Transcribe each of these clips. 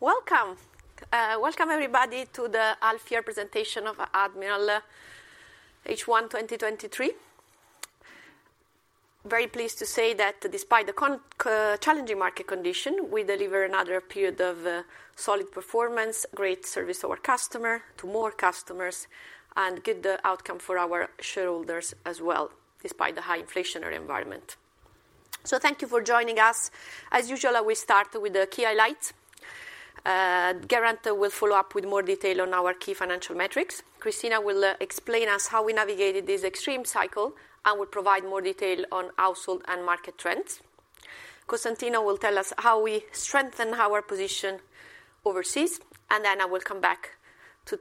Welcome! Welcome everybody to the Half Year Presentation of Admiral H1 2023. Very pleased to say that despite the challenging market condition, we deliver another period of solid performance, great service to our customer, to more customers, and good outcome for our shareholders as well, despite the high inflationary environment. Thank you for joining us. As usual, we start with the key highlights. Geraint will follow up with more detail on our key financial metrics. Cristina will explain us how we navigated this extreme cycle, and will provide more detail on household and market trends. Costantino will tell us how we strengthen our position overseas, and then I will come back to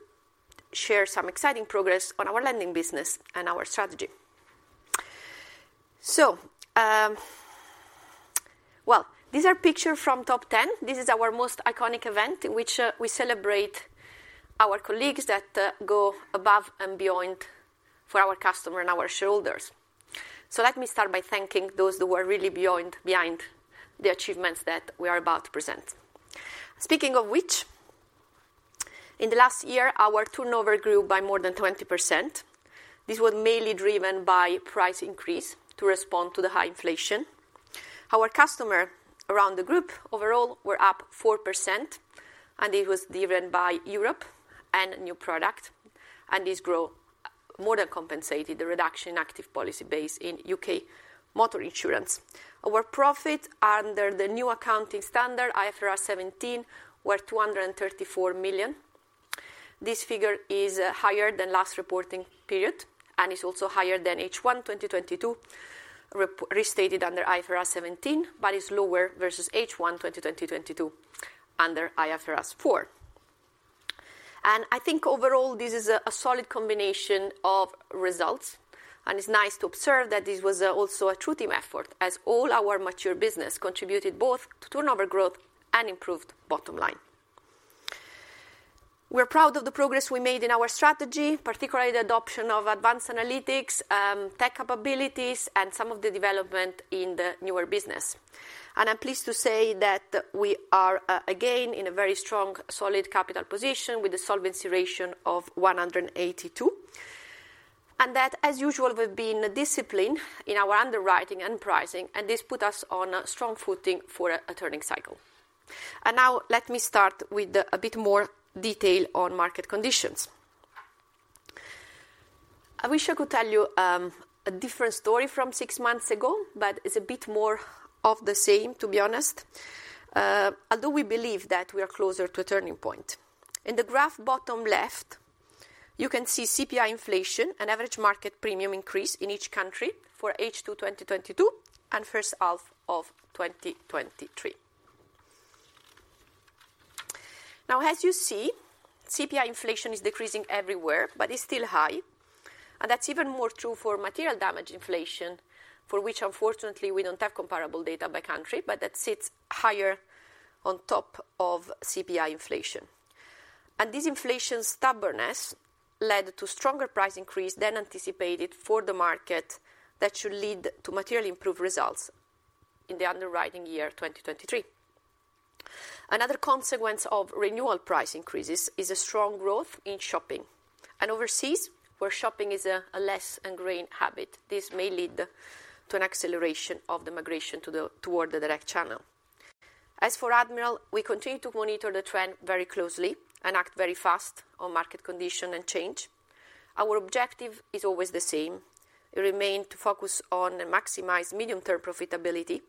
share some exciting progress on our lending business and our strategy. Well, this are picture from Top Ten. This is our most iconic event, in which we celebrate our colleagues that go above and beyond for our customer and our shareholders. Let me start by thanking those who are really beyond, behind the achievements that we are about to present. Speaking of which, in the last year, our turnover grew by more than 20%. This was mainly driven by price increase to respond to the high inflation. Our customer around the group overall were up 4%. It was driven by Europe and new product, and this grow more than compensated the reduction in active policy base in UK motor insurance. Our profit under the new accounting standard, IFRS 17, were 234 million. This figure is higher than last reporting period, and is also higher than H1 2022, restated under IFRS 17, but is lower versus H1 2020-2022 under IFRS 4. I think overall, this is a, a solid combination of results, and it's nice to observe that this was also a true team effort, as all our mature business contributed both to turnover growth and improved bottom line. We're proud of the progress we made in our strategy, particularly the adoption of advanced analytics, tech capabilities, and some of the development in the newer business. I'm pleased to say that we are again, in a very strong, solid capital position, with a solvency ratio of 182. That, as usual, we've been disciplined in our underwriting and pricing, and this put us on a strong footing for a, a turning cycle. Now let me start with a bit more detail on market conditions. I wish I could tell you a different story from six months ago, but it's a bit more of the same, to be honest, although we believe that we are closer to a turning point. In the graph bottom left, you can see CPI inflation and average market premium increase in each country for H2 2022 and first half of 2023. As you see, CPI inflation is decreasing everywhere, but is still high. That's even more true for material damage inflation, for which unfortunately we don't have comparable data by country, but that sits higher on top of CPI inflation. This inflation stubbornness led to stronger price increase than anticipated for the market, that should lead to materially improved results in the underwriting year 2023. Another consequence of renewal price increases is a strong growth in shopping. Overseas, where shopping is a, a less ingrained habit, this may lead to an acceleration of the migration to the, toward the direct channel. As for Admiral, we continue to monitor the trend very closely and act very fast on market condition and change. Our objective is always the same: it remain to focus on and maximize medium-term profitability.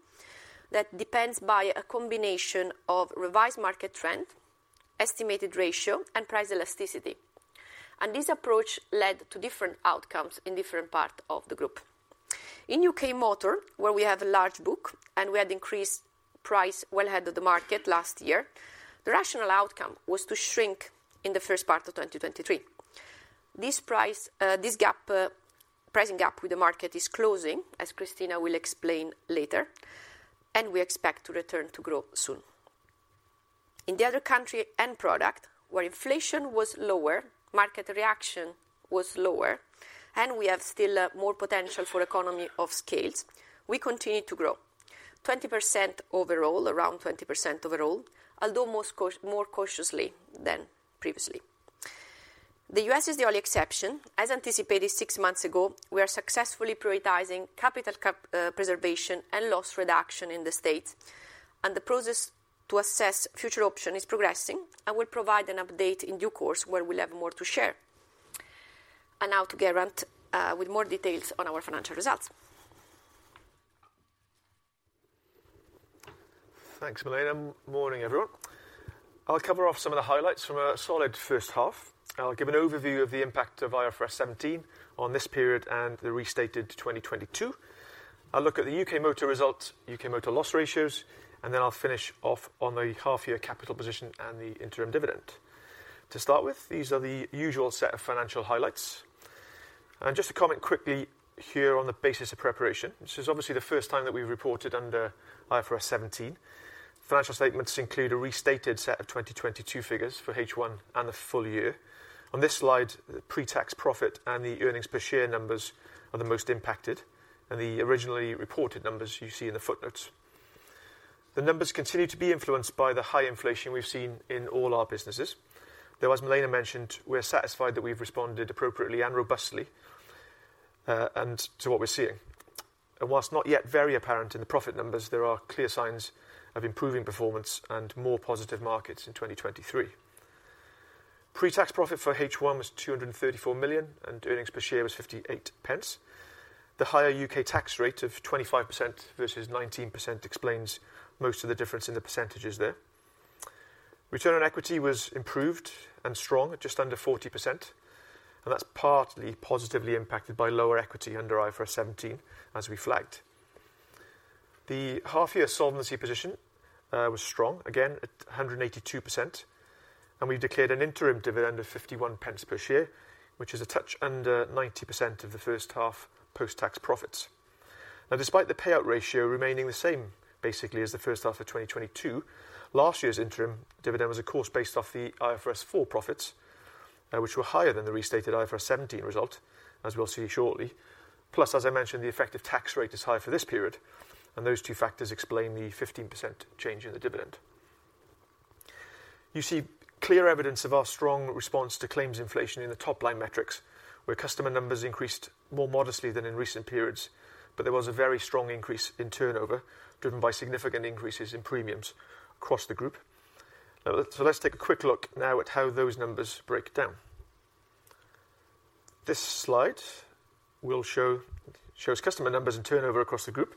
That depends by a combination of revised market trend, estimated ratio, and price elasticity. This approach led to different outcomes in different part of the group. In UK motor, where we have a large book, and we had increased price well ahead of the market last year, the rational outcome was to shrink in the first part of 2023. This price... this gap, pricing gap with the market is closing, as Cristina will explain later, and we expect to return to growth soon. In the other country end product, where inflation was lower, market reaction was lower, and we have still more potential for economy of scales, we continue to grow. 20% overall, around 20% overall, although most more cautiously than previously. The U.S. is the only exception. As anticipated six months ago, we are successfully prioritizing capital preservation and loss reduction in the States, and the process to assess future option is progressing, and we'll provide an update in due course when we'll have more to share. Now to Geraint with more details on our financial results. Thanks, Milena. Morning, everyone. I'll cover off some of the highlights from a solid first half. I'll give an overview of the impact of IFRS 17 on this period and the restated 2022. I'll look at the UK motor results, UK motor loss ratios, and then I'll finish off on the half year capital position and the interim dividend. To start with, these are the usual set of financial highlights. Just to comment quickly here on the basis of preparation, this is obviously the first time that we've reported under IFRS 17. Financial statements include a restated set of 2022 figures for H1 and the full year. On this slide, the pre-tax profit and the earnings per share numbers are the most impacted, and the originally reported numbers you see in the footnotes.... The numbers continue to be influenced by the high inflation we've seen in all our businesses, though, as Milena mentioned, we're satisfied that we've responded appropriately and robustly, and to what we're seeing. Whilst not yet very apparent in the profit numbers, there are clear signs of improving performance and more positive markets in 2023. Pre-tax profit for H1 was 234 million, and earnings per share was 0.58. The higher U.K. tax rate of 25% versus 19% explains most of the difference in the percentages there. Return on equity was improved and strong, at just under 40%, and that's partly positively impacted by lower equity under IFRS 17 as we flagged. The half year solvency position was strong, again, at 182%. We've declared an interim dividend of 0.51 per share, which is a touch under 90% of the first half post-tax profits. Despite the payout ratio remaining the same, basically as the first half of 2022, last year's interim dividend was, of course, based off the IFRS 4 profits, which were higher than the restated IFRS 17 result, as we'll see shortly. As I mentioned, the effective tax rate is high for this period. Those two factors explain the 15% change in the dividend. You see clear evidence of our strong response to claims inflation in the top-line metrics, where customer numbers increased more modestly than in recent periods. There was a very strong increase in turnover, driven by significant increases in premiums across the group. Let's take a quick look now at how those numbers break down. This slide shows customer numbers and turnover across the group.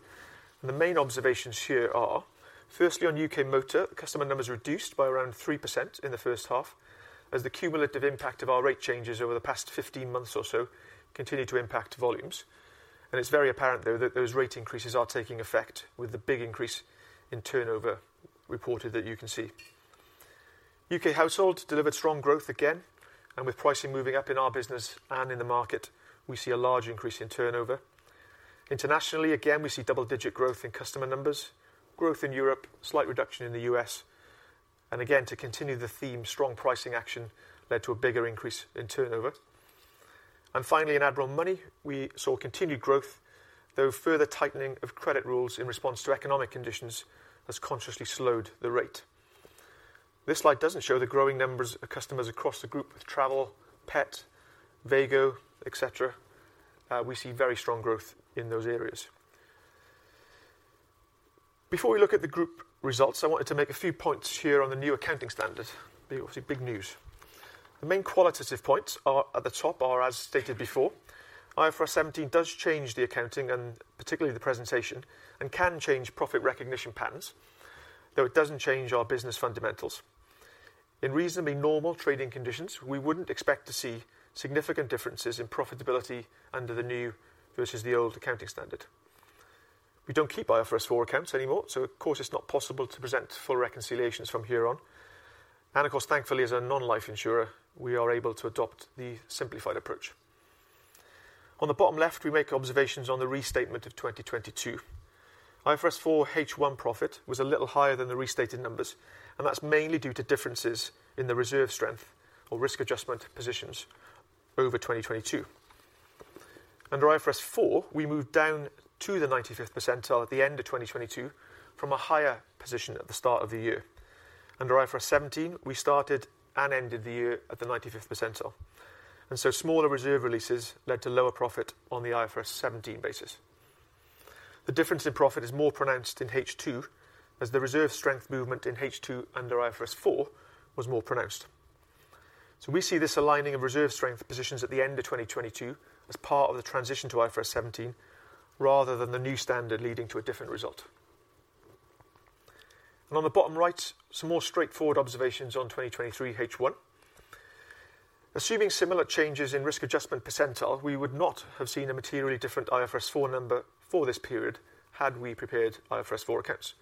The main observations here are: firstly, on UK motor, customer numbers reduced by around 3% in the first half, as the cumulative impact of our rate changes over the past 15 months or so continued to impact volumes. It's very apparent, though, that those rate increases are taking effect with the big increase in turnover reported that you can see. U.K. household delivered strong growth again. With pricing moving up in our business and in the market, we see a large increase in turnover. Internationally, again, we see double-digit growth in customer numbers, growth in Europe, slight reduction in the U.S.. Again, to continue the theme, strong pricing action led to a bigger increase in turnover. Finally, in Admiral Money, we saw continued growth, though further tightening of credit rules in response to economic conditions has consciously slowed the rate. This slide doesn't show the growing numbers of customers across the group with Travel, Pet, Veygo, et cetera. We see very strong growth in those areas. Before we look at the group results, I wanted to make a few points here on the new accounting standard. Obviously, big news. The main qualitative points are at the top are, as stated before, IFRS 17 does change the accounting and particularly the presentation, and can change profit recognition patterns, though it doesn't change our business fundamentals. In reasonably normal trading conditions, we wouldn't expect to see significant differences in profitability under the new versus the old accounting standard. We don't keep IFRS 4 accounts anymore, of course, it's not possible to present full reconciliations from here on. Of course, thankfully, as a non-life insurer, we are able to adopt the simplified approach. On the bottom left, we make observations on the restatement of 2022. IFRS 4 H1 profit was a little higher than the restated numbers, and that's mainly due to differences in the reserve strength or risk adjustment positions over 2022. Under IFRS 4, we moved down to the 95th percentile at the end of 2022 from a higher position at the start of the year. Under IFRS 17, we started and ended the year at the 95th percentile, and so smaller reserve releases led to lower profit on the IFRS 17 basis. The difference in profit is more pronounced in H2, as the reserve strength movement in H2 under IFRS 4 was more pronounced. We see this aligning of reserve strength positions at the end of 2022 as part of the transition to IFRS 17, rather than the new standard leading to a different result. On the bottom right, some more straightforward observations on 2023 H1. Assuming similar changes in risk adjustment percentile, we would not have seen a materially different IFRS 4 number for this period had we prepared IFRS 4 accounts.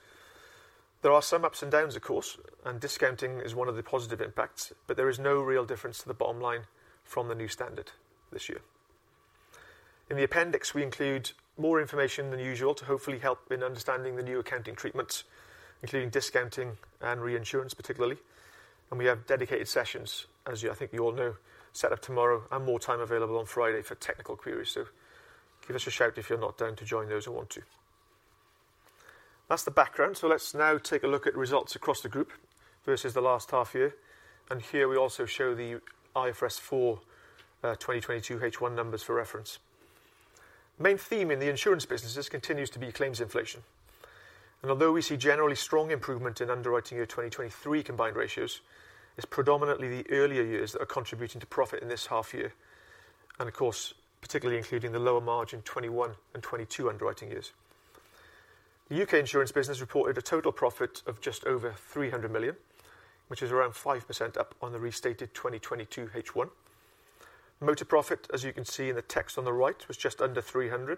There are some ups and downs, of course, and discounting is one of the positive impacts, but there is no real difference to the bottom line from the new standard this year. In the appendix, we include more information than usual to hopefully help in understanding the new accounting treatments, including discounting and reinsurance, particularly. We have dedicated sessions, as you-- I think you all know, set up tomorrow and more time available on Friday for technical queries. Give us a shout if you're not down to join those who want to. That's the background. Let's now take a look at results across the group versus the last half year. Here we also show the IFRS 4 2022 H1 numbers for reference. Main theme in the insurance businesses continues to be claims inflation. Although we see generally strong improvement in underwriting year 2023 combined ratios, it's predominantly the earlier years that are contributing to profit in this half year, and of course, particularly including the lower margin 2021 and 2022 underwriting years. The UK insurance business reported a total profit of just over 300 million, which is around 5% up on the restated 2022 H1. Motor profit, as you can see in the text on the right, was just under 300 million,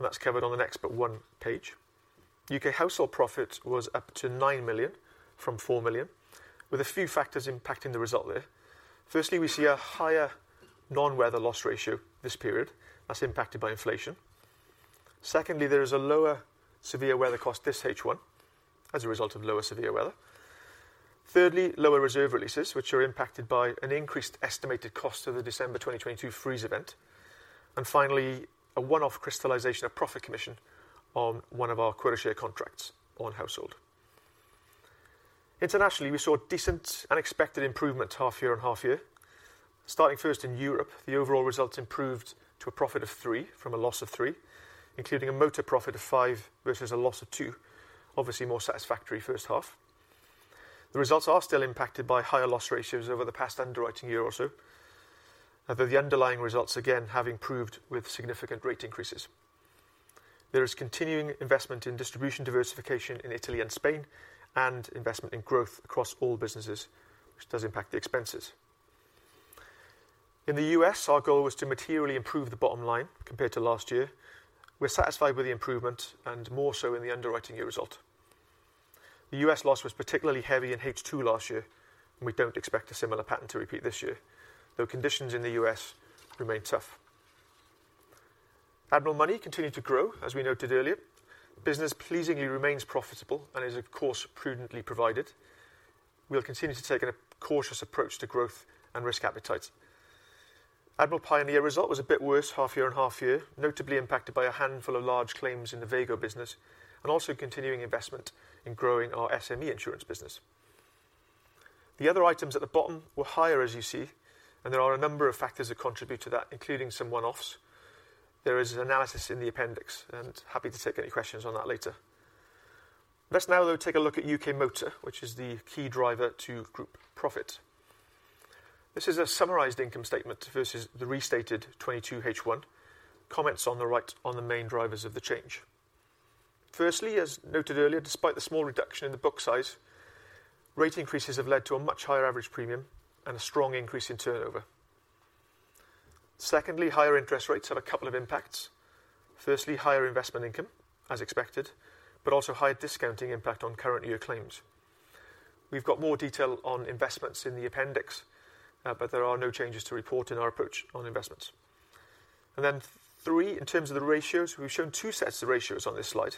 that's covered on the next but one page. U.K. household profit was up to 9 million from 4 million, with a few factors impacting the result there. Firstly, we see a higher non-weather loss ratio this period that's impacted by inflation. Secondly, there is a lower severe weather cost this H1 as a result of lower severe weather. Thirdly, lower reserve releases, which are impacted by an increased estimated cost of the December 2022 freeze event. Finally, a one-off crystallization of profit commission on one of our quota share contracts on household. Internationally, we saw decent and expected improvement half year and half year. Starting first in Europe, the overall results improved to a profit of 3 from a loss of 3, including a motor profit of 5 versus a loss of 2. Obviously, more satisfactory first half. The results are still impacted by higher loss ratios over the past underwriting year or so, although the underlying results, again, have improved with significant rate increases. There is continuing investment in distribution diversification in Italy and Spain, and investment in growth across all businesses, which does impact the expenses. In the U.S., our goal was to materially improve the bottom line compared to last year. We're satisfied with the improvement and more so in the underwriting year result. The U.S. loss was particularly heavy in H2 last year, and we don't expect a similar pattern to repeat this year, though conditions in the U.S. remain tough. Admiral Money continued to grow, as we noted earlier. Business pleasingly remains profitable and is, of course, prudently provided. We'll continue to take a cautious approach to growth and risk appetite. Admiral Pioneer result was a bit worse half year and half year, notably impacted by a handful of large claims in the Veygo business, also continuing investment in growing our SME insurance business. The other items at the bottom were higher, as you see. There are a number of factors that contribute to that, including some one-offs. There is analysis in the appendix. Happy to take any questions on that later. Let's now, though, take a look at UK Motor, which is the key driver to group profit. This is a summarized income statement versus the restated 2022 H1. Comments on the right on the main drivers of the change. Firstly, as noted earlier, despite the small reduction in the book size, rate increases have led to a much higher average premium and a strong increase in turnover. Secondly, higher interest rates have a couple of impacts. Firstly, higher investment income, as expected, but also higher discounting impact on current year claims. We've got more detail on investments in the appendix, but there are no changes to report in our approach on investments. Then three, in terms of the ratios, we've shown two sets of ratios on this slide.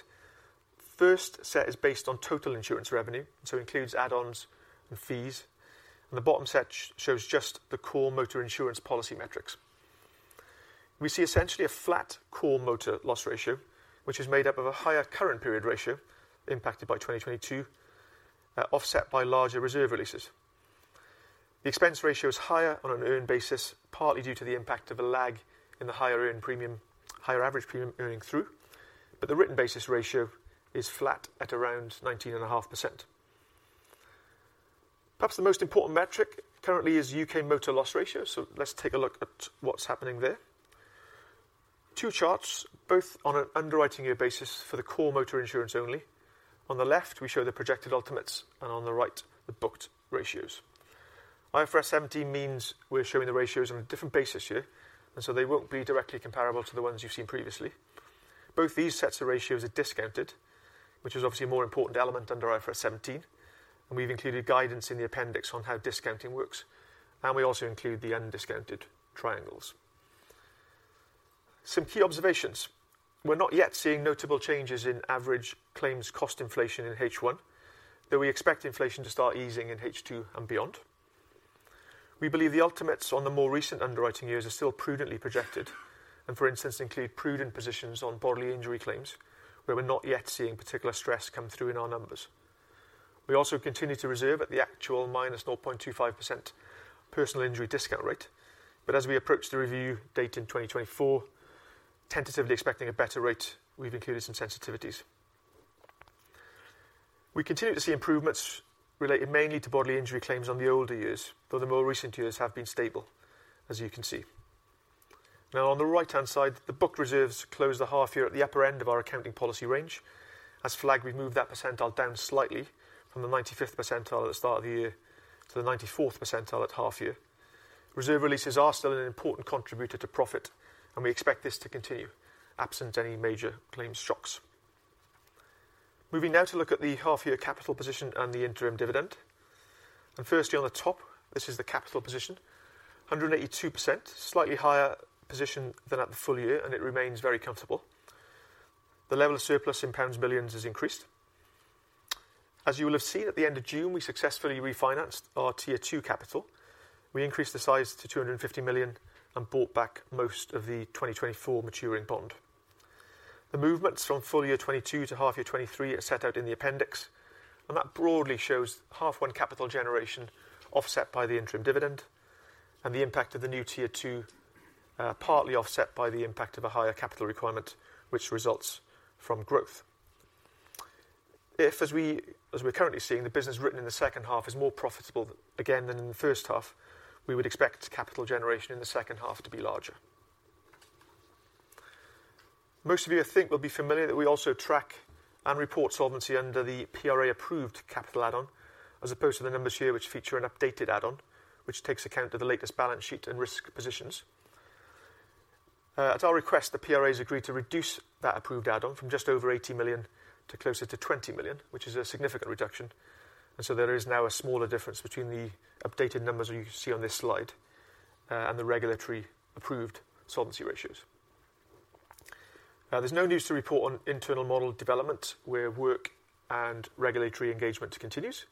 First set is based on total insurance revenue, so includes add-ons and fees, and the bottom set shows just the core motor insurance policy metrics. We see essentially a flat core motor loss ratio, which is made up of a higher current period ratio, impacted by 2022, offset by larger reserve releases. The expense ratio is higher on an earned basis, partly due to the impact of a lag in the higher earned premium, higher average premium earning through, but the written basis ratio is flat at around 19.5%. Perhaps the most important metric currently is UK motor loss ratio. Let's take a look at what's happening there. Two charts, both on an underwriting year basis for the core motor insurance only. On the left, we show the projected ultimates and on the right, the booked ratios. IFRS 17 means we're showing the ratios on a different basis here, and so they won't be directly comparable to the ones you've seen previously. Both these sets of ratios are discounted, which is obviously a more important element under IFRS 17, and we've included guidance in the appendix on how discounting works, and we also include the undiscounted triangles. Some key observations. We're not yet seeing notable changes in average claims cost inflation in H1, though we expect inflation to start easing in H2 and beyond. We believe the ultimates on the more recent underwriting years are still prudently projected, and for instance, include prudent positions on bodily injury claims, where we're not yet seeing particular stress come through in our numbers. We also continue to reserve at the actual -0.25% personal injury discount rate, but as we approach the review date in 2024, tentatively expecting a better rate, we've included some sensitivities. We continue to see improvements related mainly to bodily injury claims on the older years, though the more recent years have been stable, as you can see. On the right-hand side, the book reserves close the half year at the upper end of our accounting policy range. As flagged, we've moved that percentile down slightly from the 95th percentile at the start of the year to the 94th percentile at half year. Reserve releases are still an important contributor to profit, and we expect this to continue absent any major claims shocks. Moving now to look at the half year capital position and the interim dividend. Firstly, on the top, this is the capital position, 182%, slightly higher position than at the full year, and it remains very comfortable. The level of surplus in million pounds has increased. As you will have seen at the end of June, we successfully refinanced our Tier 2 capital. We increased the size to 250 million and bought back most of the 2024 maturing bond. The movements from full year 2022 to half year 2023 are set out in the appendix. That broadly shows half one capital generation, offset by the interim dividend and the impact of the new Tier 2, partly offset by the impact of a higher capital requirement, which results from growth. If, as we, as we're currently seeing, the business written in the second half is more profitable again than in the first half, we would expect capital generation in the second half to be larger. Most of you, I think, will be familiar that we also track and report solvency under the PRA-approved capital add-on, as opposed to the numbers here, which feature an updated add-on, which takes account of the latest balance sheet and risk positions. At our request, the PRA has agreed to reduce that approved add-on from just over 80 million to closer to 20 million, which is a significant reduction. There is now a smaller difference between the updated numbers you see on this slide and the regulatory approved solvency ratios. There's no news to report on internal model development, where work and regulatory engagement continues.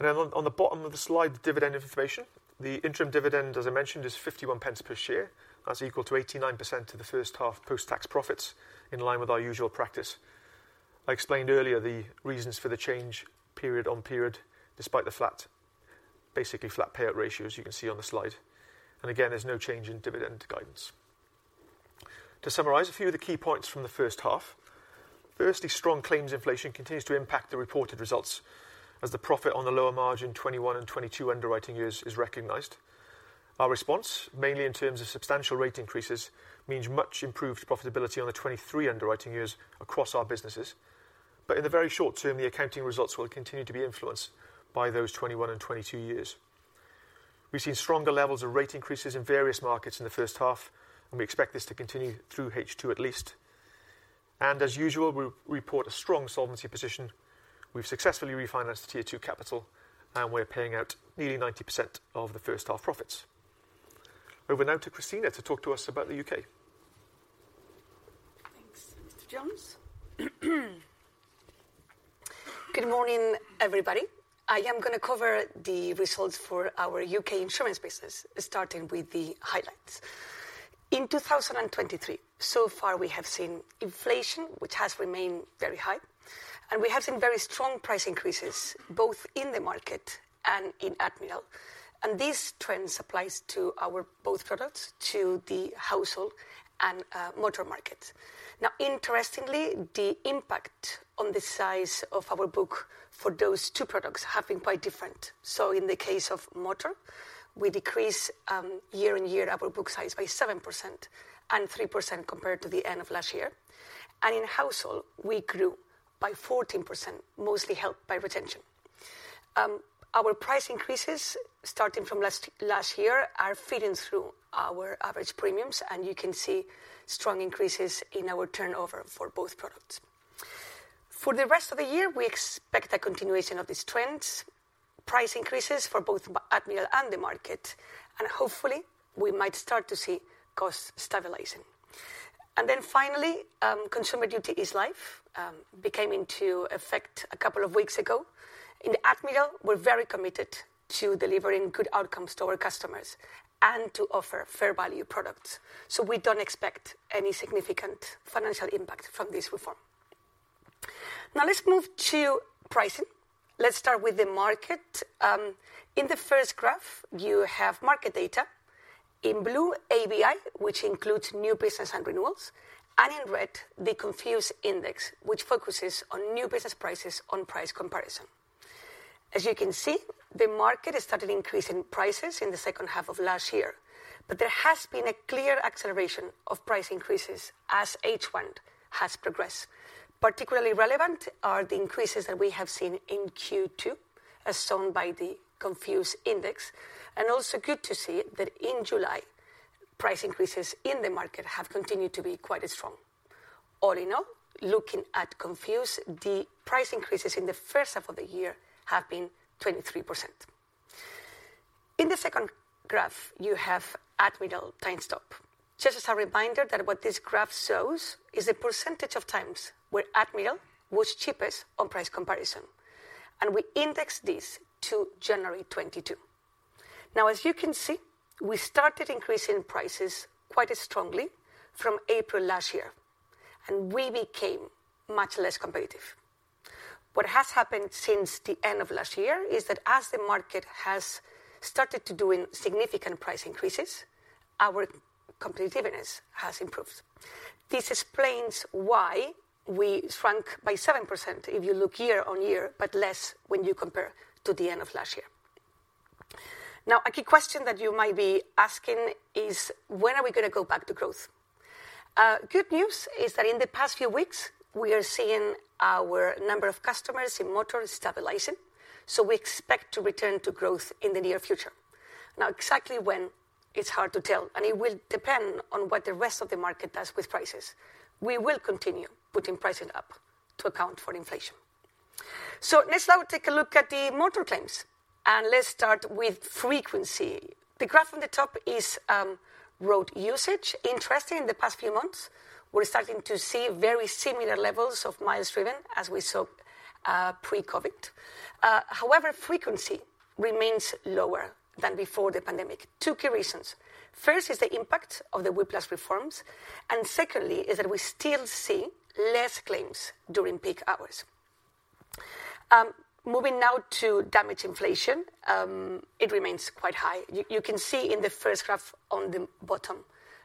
On, on the bottom of the slide, the dividend information. The interim dividend, as I mentioned, is 0.51 per share. That's equal to 89% of the first half post-tax profits, in line with our usual practice. I explained earlier the reasons for the change period on period, despite the flat, basically flat payout ratio, as you can see on the slide. There's no change in dividend guidance. To summarize, a few of the key points from the first half: firstly, strong claims inflation continues to impact the reported results, as the profit on the lower margin 2021 and 2022 underwriting years is recognized. Our response, mainly in terms of substantial rate increases, means much improved profitability on the 2023 underwriting years across our businesses. In the very short term, the accounting results will continue to be influenced by those 2021 and 2022 years. We've seen stronger levels of rate increases in various markets in the first half, and we expect this to continue through H2 at least. As usual, we report a strong solvency position. We've successfully refinanced the Tier 2 capital, and we're paying out nearly 90% of the first half profits. Over now to Cristina to talk to us about the U.K.. Thanks, Geraint Jones. Good morning, everybody. I am going to cover the results for our UK insurance business, starting with the highlights. In 2023, so far, we have seen inflation, which has remained very high, and we have seen very strong price increases, both in the market and in Admiral. This trend applies to our both products, to the household and motor markets. Now, interestingly, the impact on the size of our book for those two products have been quite different. In the case of motor, we decrease, year-on-year our book size by 7% and 3% compared to the end of last year. In household, we grew by 14%, mostly helped by retention. Our price increases, starting from last year, are feeding through our average premiums, and you can see strong increases in our turnover for both products. For the rest of the year, we expect a continuation of these trends, price increases for both Admiral and the market, and hopefully, we might start to see costs stabilizing. Finally, Consumer Duty is live, became into effect a couple of weeks ago. In the Admiral, we're very committed to delivering good outcomes to our customers and to offer fair value products, so we don't expect any significant financial impact from this reform. Let's move to pricing. Let's start with the market. In the first graph, you have market data. In blue, ABI, which includes new business and renewals, and in red, the Confused Index, which focuses on new business prices on price comparison. As you can see, the market has started increasing prices in the second half of last year. There has been a clear acceleration of price increases as H1 has progressed. Particularly relevant are the increases that we have seen in Q2, as shown by the Confused Index. Also good to see that in July, price increases in the market have continued to be quite strong. All in all, looking at Confused, the price increases in the first half of the year have been 23%. In the second graph, you have Admiral Times stop. Just as a reminder that what this graph shows is the percentage of times where Admiral was cheapest on price comparison. We indexed this to January 2022. Now, as you can see, we started increasing prices quite strongly from April last year. We became much less competitive. What has happened since the end of last year is that as the market has started to doing significant price increases, our competitiveness has improved. This explains why we shrunk by 7% if you look year on year, but less when you compare to the end of last year. Now, a key question that you might be asking is: When are we gonna go back to growth? Good news is that in the past few weeks, we are seeing our number of customers in motor stabilizing, so we expect to return to growth in the near future. Now, exactly when, it's hard to tell, and it will depend on what the rest of the market does with prices. We will continue putting pricing up to account for inflation. Let's now take a look at the motor claims, and let's start with frequency. The graph on the top is road usage. Interesting, in the past few months, we're starting to see very similar levels of miles driven as we saw pre-COVID. However, frequency remains lower than before the pandemic. Two key reasons. First is the impact of the Whiplash Reforms, and secondly, is that we still see less claims during peak hours. Moving now to damage inflation, it remains quite high. You can see in the first graph on the bottom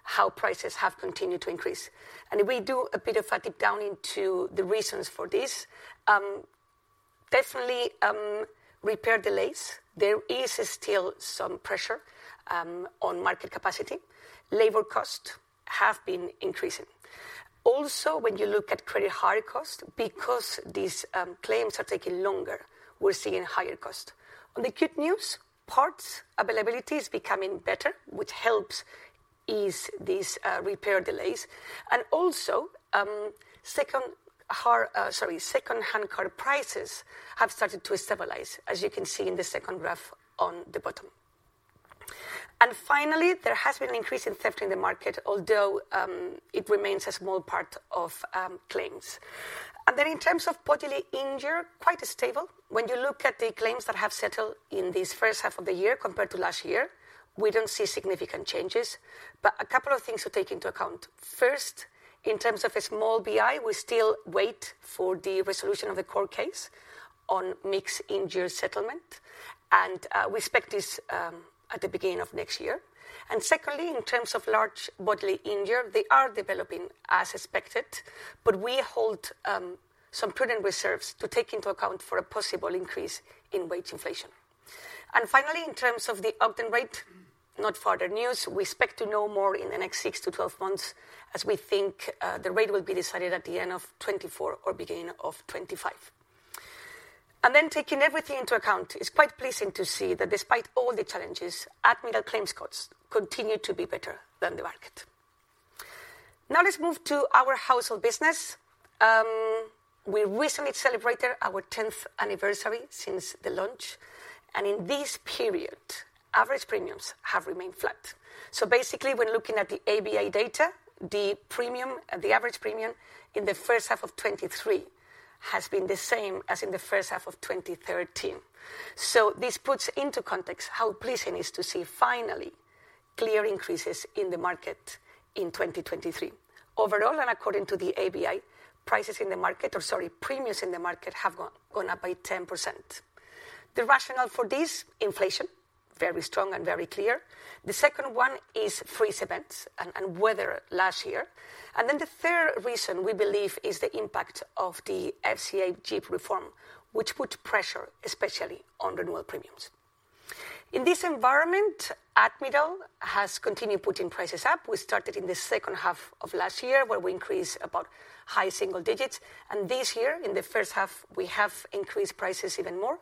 how prices have continued to increase. If we do a bit of a dig down into the reasons for this, definitely, repair delays. There is still some pressure on market capacity. Labor costs have been increasing. Also, when you look at credit hire costs, because these claims are taking longer, we're seeing higher costs. On the good news, parts availability is becoming better, which helps ease these repair delays. Also, second-hand car prices have started to stabilize, as you can see in the 2nd graph on the bottom. Finally, there has been an increase in theft in the market, although it remains a small part of claims. In terms of bodily injury, quite stable. When you look at the claims that have settled in this 1st half of the year compared to last year, we don't see significant changes. A couple of things to take into account. First, in terms of a small BI, we still wait for the resolution of the court case on mixed injury settlement, and we expect this at the beginning of next year. Secondly, in terms of large bodily injury, they are developing as expected, but we hold some prudent reserves to take into account for a possible increase in wage inflation. Finally, in terms of the Ogden rate, not further news. We expect to know more in the next six months-12 months, as we think the rate will be decided at the end of 2024 or beginning of 2025. Taking everything into account, it's quite pleasing to see that despite all the challenges, Admiral claims costs continue to be better than the market. Let's move to our household business. We recently celebrated our 10th anniversary since the launch, and in this period, average premiums have remained flat. Basically, when looking at the ABI data, the premium, the average premium in the first half of 2023 has been the same as in the first half of 2013. This puts into context how pleasing it is to see finally clear increases in the market in 2023. Overall, according to the ABI, prices in the market, or sorry, premiums in the market have gone, gone up by 10%. The rationale for this, inflation, very strong and very clear. The second one is freeze events and, and weather last year. Then the third reason, we believe, is the impact of the FCA GIPP reform, which put pressure, especially on renewal premiums. In this environment, Admiral has continued putting prices up. We started in the second half of last year, where we increased about high single digits. This year, in the first half, we have increased prices even more,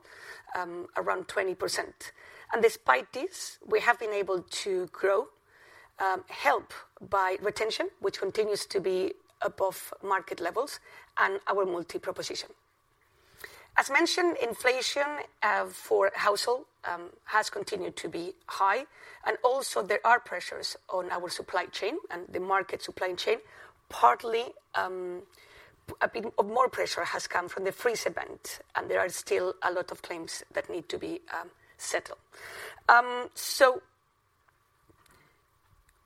around 20%. Despite this, we have been able to grow, helped by retention, which continues to be above market levels and our multi-proposition. As mentioned, inflation for household has continued to be high. Also, there are pressures on our supply chain and the market supply chain. Partly, a bit of more pressure has come from the freeze event. There are still a lot of claims that need to be settled.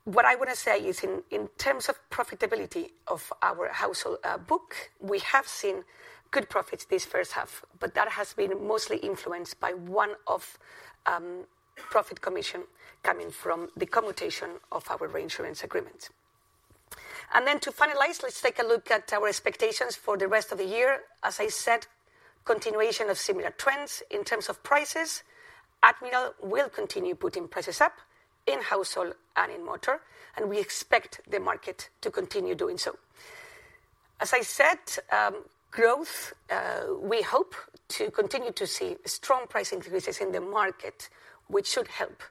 What I want to say is in, in terms of profitability of our household book, we have seen good profits this first half, that has been mostly influenced by one-off profit commission coming from the commutation of our reinsurance agreement. To finalize, let's take a look at our expectations for the rest of the year. As I said, continuation of similar trends in terms of prices, Admiral will continue putting prices up in household and in motor, we expect the market to continue doing so. As I said, growth, we hope to continue to see strong price increases in the market, which should help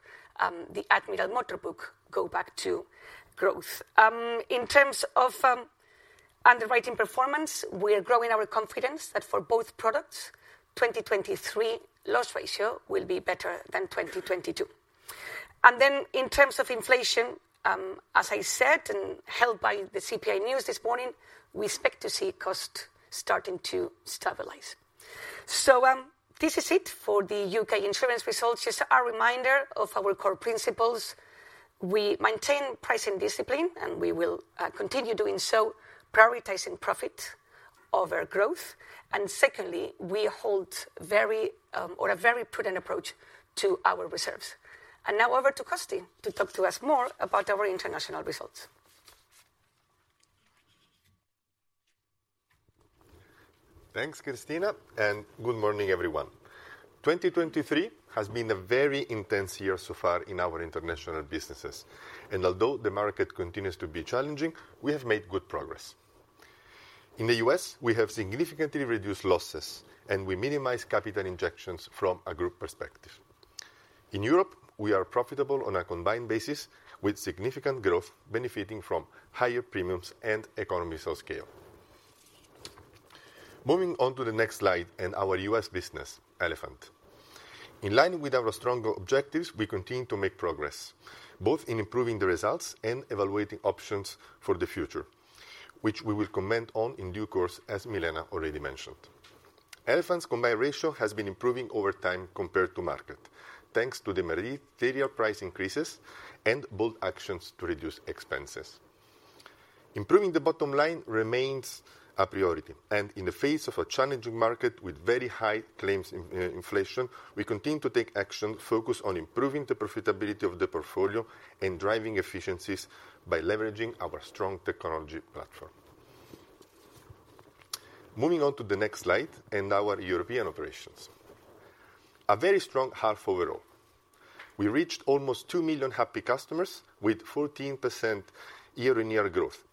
the Admiral Motor book go back to growth. In terms of underwriting performance, we are growing our confidence that for both products, 2023 loss ratio will be better than 2022. Then in terms of inflation, as I said, and helped by the CPI news this morning, we expect to see cost starting to stabilize. This is it for the UK insurance results. Just a reminder of our core principles. We maintain pricing discipline, and we will continue doing so, prioritizing profit over growth. Secondly, we hold very, or a very prudent approach to our reserves. Now over to Costi to talk to us more about our international results. Thanks, Cristina. Good morning, everyone. 2023 has been a very intense year so far in our international businesses. Although the market continues to be challenging, we have made good progress. In the U.S., we have significantly reduced losses. We minimized capital injections from a group perspective. In Europe, we are profitable on a combined basis with significant growth, benefiting from higher premiums and economies of scale. Moving on to the next slide and our US business, Elephant. In line with our stronger objectives, we continue to make progress, both in improving the results and evaluating options for the future, which we will comment on in due course, as Milena already mentioned. Elephant's combined ratio has been improving over time compared to market, thanks to the material price increases and bold actions to reduce expenses. Improving the bottom line remains a priority. In the face of a challenging market with very high claims inflation, we continue to take action focused on improving the profitability of the portfolio and driving efficiencies by leveraging our strong technology platform. Moving on to the next slide, our European operations. A very strong half overall. We reached almost 2 million happy customers with 14% year-on-year growth.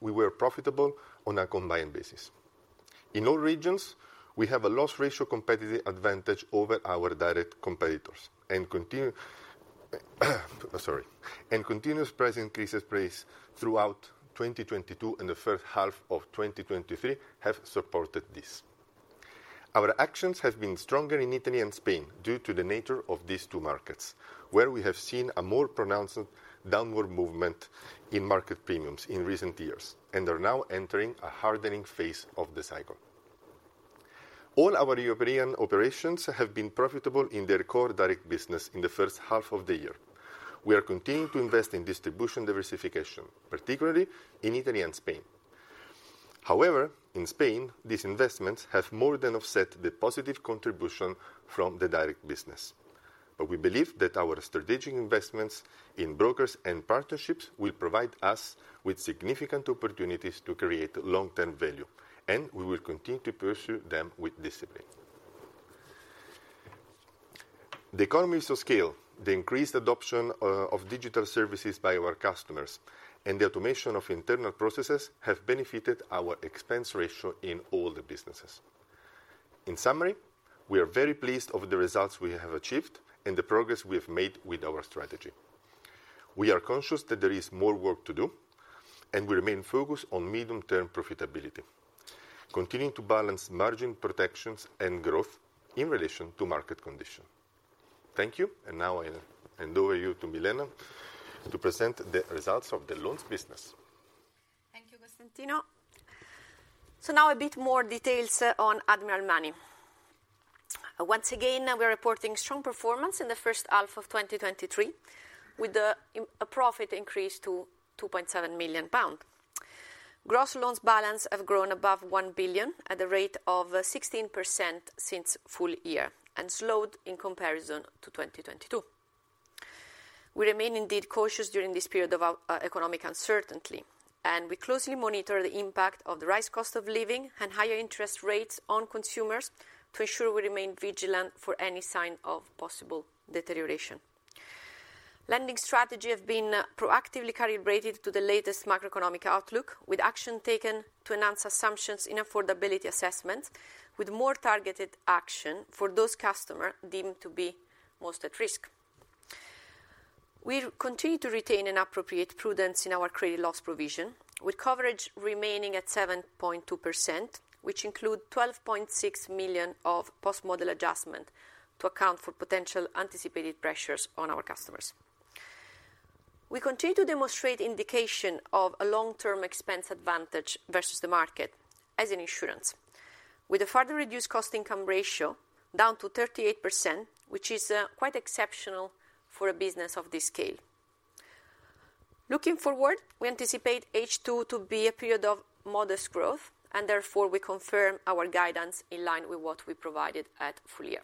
We were profitable on a combined basis. In all regions, we have a loss ratio competitive advantage over our direct competitors and continue, sorry, and continuous price increases placed throughout 2022 and the first half of 2023 have supported this. Our actions have been stronger in Italy and Spain due to the nature of these two markets, where we have seen a more pronounced downward movement in market premiums in recent years, and are now entering a hardening phase of the cycle. All our European operations have been profitable in their core direct business in the first half of the year. We are continuing to invest in distribution diversification, particularly in Italy and Spain. However, in Spain, these investments have more than offset the positive contribution from the direct business. We believe that our strategic investments in brokers and partnerships will provide us with significant opportunities to create long-term value, and we will continue to pursue them with discipline. The economies of scale, the increased adoption of digital services by our customers, and the automation of internal processes have benefited our expense ratio in all the businesses. In summary, we are very pleased of the results we have achieved and the progress we have made with our strategy. We are conscious that there is more work to do, and we remain focused on medium-term profitability, continuing to balance margin protections and growth in relation to market condition. Thank you, and now I hand over you to Milena to present the results of the loans business. Thank you, Costantino. Now a bit more details on Admiral Money. Once again, we are reporting strong performance in the first half of 2023, with a profit increase to 2.7 million pounds. Gross loans balance have grown above 1 billion at a rate of 16% since full year, and slowed in comparison to 2022. We remain indeed cautious during this period of economic uncertainty, and we closely monitor the impact of the rise cost of living and higher interest rates on consumers to ensure we remain vigilant for any sign of possible deterioration. Lending strategy have been proactively calibrated to the latest macroeconomic outlook, with action taken to enhance assumptions in affordability assessments, with more targeted action for those customer deemed to be most at risk. We continue to retain an appropriate prudence in our credit loss provision, with coverage remaining at 7.2%, which include 12.6 million of post-model adjustment to account for potential anticipated pressures on our customers. We continue to demonstrate indication of a long-term expense advantage versus the market as an insurance, with a further reduced cost income ratio down to 38%, which is quite exceptional for a business of this scale. Looking forward, we anticipate H2 to be a period of modest growth. Therefore, we confirm our guidance in line with what we provided at full year.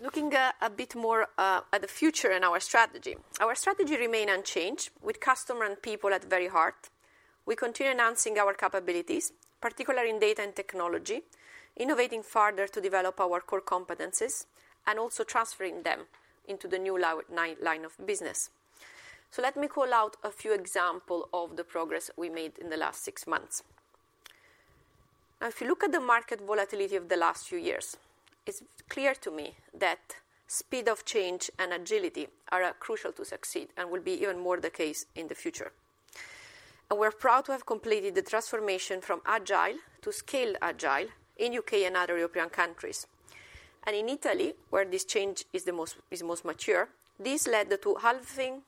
Looking a bit more at the future and our strategy. Our strategy remain unchanged, with customer and people at the very heart. We continue enhancing our capabilities, particularly in data and technology, innovating further to develop our core competencies, and also transferring them into the new line of business. Let me call out a few example of the progress we made in the last six months. If you look at the market volatility of the last few years, it's clear to me that speed of change and agility are crucial to succeed and will be even more the case in the future. We're proud to have completed the transformation from agile to scale agile in U.K. and other European countries. In Italy, where this change is most mature, this led to halving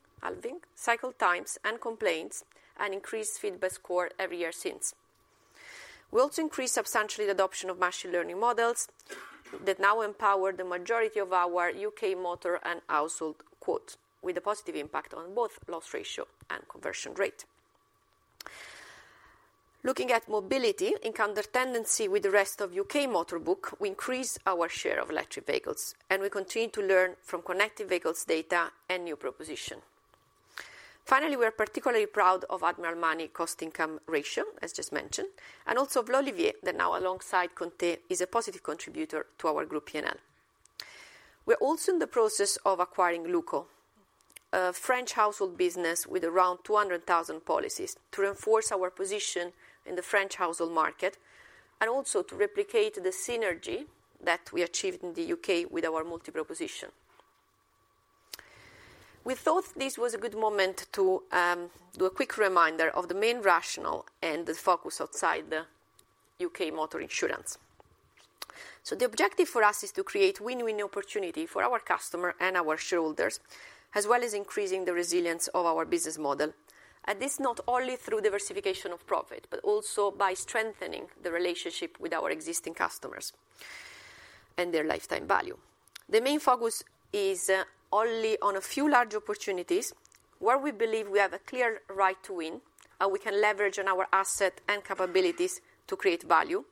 cycle times and complaints, and increased feedback score every year since. We also increased substantially the adoption of machine learning models that now empower the majority of our UK motor and household quotes, with a positive impact on both loss ratio and conversion rate. Looking at mobility, in counter tendency with the rest of UK motor book, we increased our share of electric vehicles. We continue to learn from connected vehicles data and new proposition. Finally, we are particularly proud of Admiral Money cost income ratio, as just mentioned, and also L'olivier, that now alongside ConTe.it, is a positive contributor to our group P&L. We're also in the process of acquiring Luko, a French household business with around 200,000 policies, to reinforce our position in the French household market, and also to replicate the synergy that we achieved in the U.K. with our multi proposition. We thought this was a good moment to do a quick reminder of the main rationale and the focus outside the UK motor insurance. The objective for us is to create win-win opportunity for our customer and our shareholders, as well as increasing the resilience of our business model. This not only through diversification of profit, but also by strengthening the relationship with our existing customers and their lifetime value. The main focus is only on a few large opportunities where we believe we have a clear right to win, and we can leverage on our asset and capabilities to create value,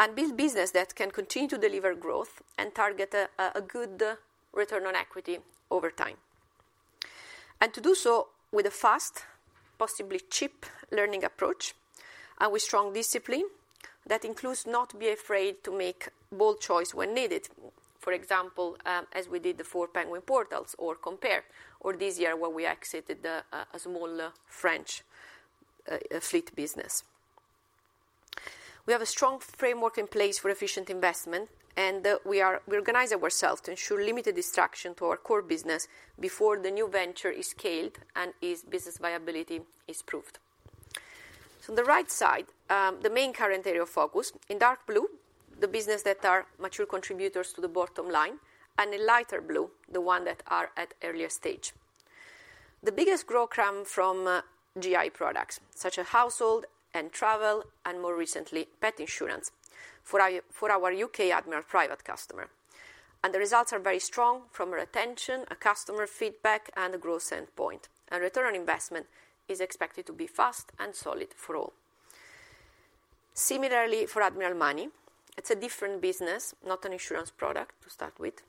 and build business that can continue to deliver growth and target a good return on equity over time. To do so with a fast, possibly cheap learning approach, and with strong discipline, that includes not be afraid to make bold choice when needed. For example, as we did the 4 Penguin Portals, or Compare or this year when we exited the small French fleet business. We have a strong framework in place for efficient investment, and we organize ourselves to ensure limited distraction to our core business before the new venture is scaled and its business viability is proved. On the right side, the main current area of focus, in dark blue, the business that are mature contributors to the bottom line, and in lighter blue, the one that are at earlier stage. The biggest growth come from GI products, such as household and travel, and more recently, pet insurance for our, for our UK Admiral private customer. The results are very strong from retention, customer feedback, and growth standpoint. ROI is expected to be fast and solid for all. Similarly, for Admiral Money, it's a different business, not an insurance product to start with,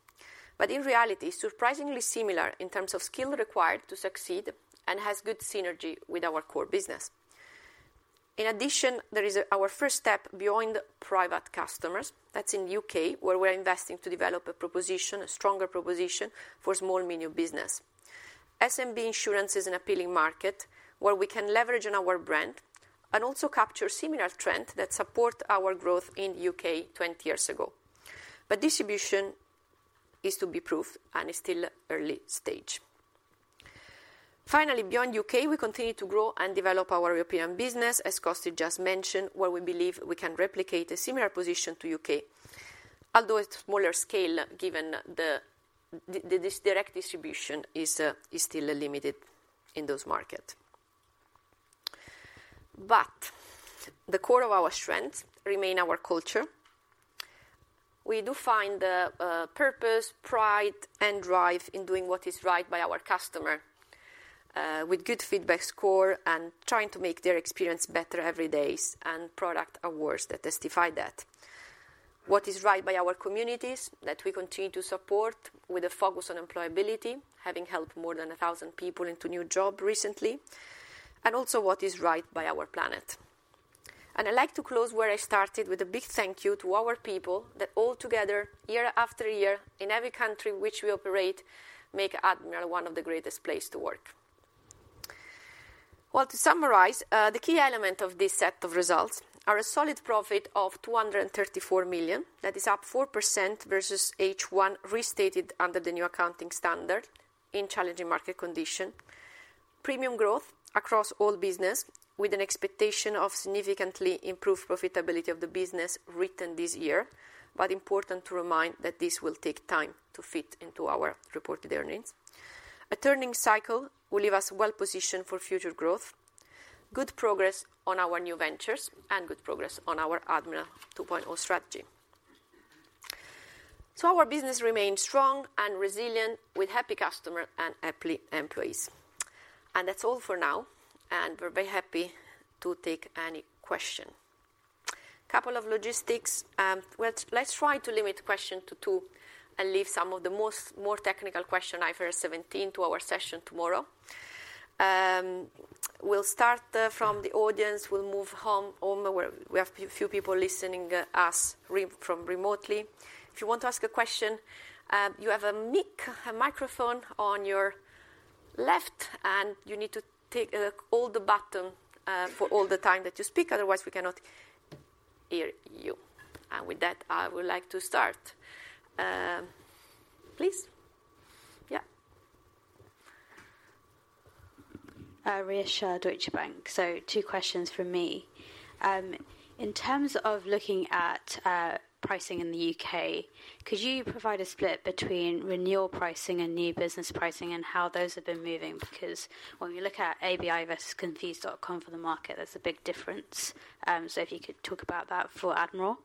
but in reality, surprisingly similar in terms of skill required to succeed and has good synergy with our core business. In addition, there is our first step beyond private customers. That's in U.K., where we're investing to develop a proposition, a stronger proposition for small/medium business. SME Insurance is an appealing market where we can leverage on our brand and also capture similar trend that support our growth in U.K. 20 years ago. Distribution is to be proved and is still early stage. Finally, beyond U.K., we continue to grow and develop our European business, as Costa just mentioned, where we believe we can replicate a similar position to U.K., although at smaller scale, given this direct distribution is still limited in those market. The core of our strength remain our culture. We do find purpose, pride, and drive in doing what is right by our customer with good feedback score and trying to make their experience better every day, and product awards that testify that. What is right by our communities, that we continue to support with a focus on employability, having helped more than 1,000 people into new job recently, and also what is right by our planet. I'd like to close where I started, with a big thank you to our people that all together, year after year, in every country which we operate, make Admiral one of the greatest place to work. Well, to summarize, the key element of this set of results are a solid profit of 234 million. That is up 4% versus H1, restated under the new accounting standard in challenging market condition. Premium growth across all business, with an expectation of significantly improved profitability of the business written this year, but important to remind that this will take time to fit into our reported earnings. A turning cycle will leave us well positioned for future growth, good progress on our new ventures, and good progress on our Admiral 2.0 strategy. Our business remains strong and resilient, with happy customer and happy employees. That's all for now, and we're very happy to take any question. Couple of logistics. Well, let's try to limit the question to two and leave some of the most, more technical question, IFRS 17, to our session tomorrow. We'll start from the audience. We'll move home, where we have a few people listening us from remotely. If you want to ask a question, you have a mic, a microphone on your left, and you need to take, hold the button, for all the time that you speak, otherwise we cannot hear you. With that, I would like to start. Please. Yeah. Rhea Shah, Deutsche Bank. Two questions from me. In terms of looking at pricing in the U.K., could you provide a split between renewal pricing and new business pricing, and how those have been moving? Because when we look at ABI versus Confused.com for the market, there's a big difference. If you could talk about that for Admiral.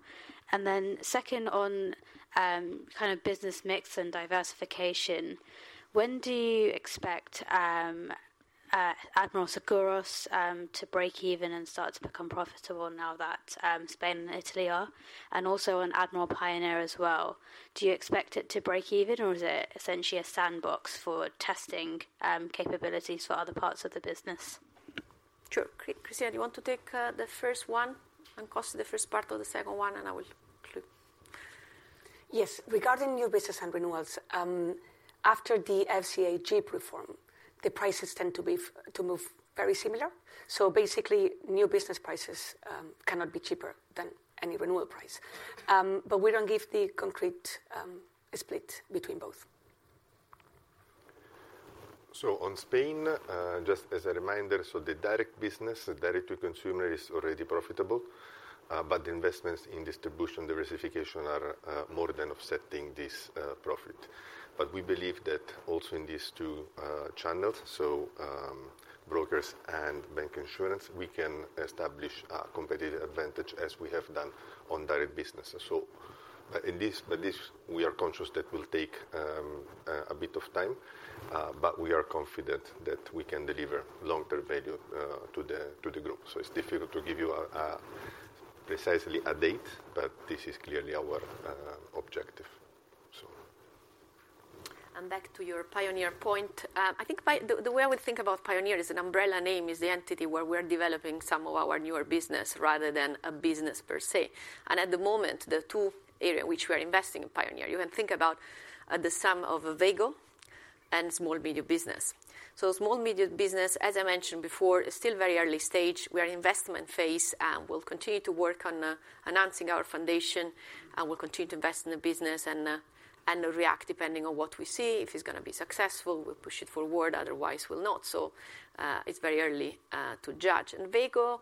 Then second on kind of business mix and diversification, when do you expect Admiral Seguros to break even and start to become profitable now that Spain and Italy are? Also on Admiral Pioneer as well, do you expect it to break even, or is it essentially a sandbox for testing capabilities for other parts of the business? Sure. Cristina, you want to take the first one, and Costi, the first part of the second one, and I will conclude. Yes. Regarding new business and renewals, after the FCA GIPP reform, the prices tend to be... to move very similar. Basically, new business prices, cannot be cheaper than any renewal price. We don't give the concrete, split between both. On Spain, just as a reminder, the direct business, the direct to consumer, is already profitable. But the investments in distribution diversification are more than offsetting this profit. We believe that also in these two channels, brokers and bancassurance, we can establish a competitive advantage as we have done on direct business. This, we are conscious that will take a bit of time, but we are confident that we can deliver long-term value to the group. It's difficult to give you precisely a date, but this is clearly our objective. Back to your Pioneer point, I think the way I would think about Pioneer as an umbrella name is the entity where we're developing some of our newer business rather than a business per se. At the moment, the two areas which we are investing in Pioneer, you can think about the sum of Veygo and SME business. SME business, as I mentioned before, is still very early stage. We are in investment phase, and we'll continue to work on announcing our foundation, and we'll continue to invest in the business and react depending on what we see. If it's gonna be successful, we'll push it forward, otherwise, we'll not. It's very early to judge. Veygo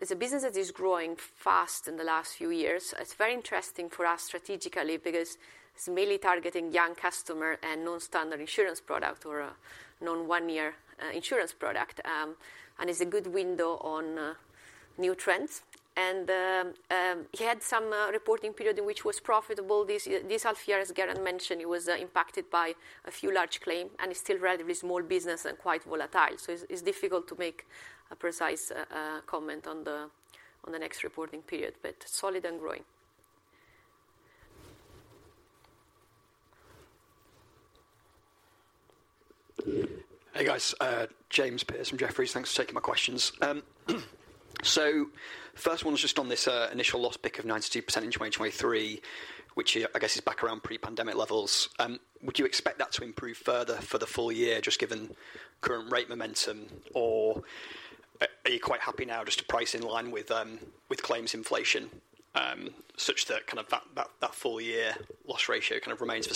is a business that is growing fast in the last few years. It's very interesting for us strategically because it's mainly targeting young customer and non-standard insurance product or a non-one year insurance product. It's a good window on new trends. He had some reporting period in which was profitable. This year, this half year, as Geraint mentioned, it was impacted by a few large claim, and it's still relatively small business and quite volatile. It's, it's difficult to make a precise comment on the, on the next reporting period, but solid and growing. Hey, guys, James Pearce from Jefferies. Thanks for taking my questions. First one is just on this initial loss pick of 92% in 2023, which I guess is back around pre-pandemic levels. Would you expect that to improve further for the full year, just given current rate momentum, or a-are you quite happy now just to price in line with with claims inflation, such that kind of that, that, that full year loss ratio kind of remains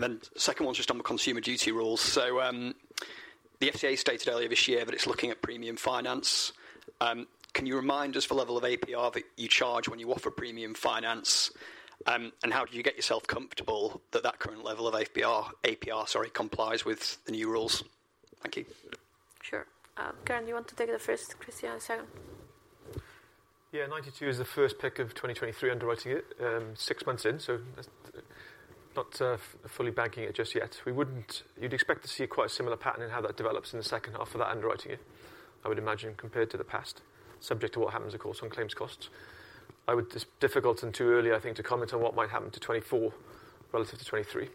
the same? Second one is just on the Consumer Duty rules. The FCA stated earlier this year that it's looking at premium finance. Can you remind us the level of APR that you charge when you offer premium finance? And how do you get yourself comfortable that that current level of APR, APR, sorry, complies with the new rules? Thank you. Sure. Geraint, you want to take the first, Cristina second? Yeah, 92 is the first pick of 2023 underwriting year, six months in, so that's not fully banking it just yet. You'd expect to see quite a similar pattern in how that develops in the second half of that underwriting year, I would imagine, compared to the past, subject to what happens, of course, on claims costs. It's difficult and too early, I think, to comment on what might happen to 2024 relative to 2023.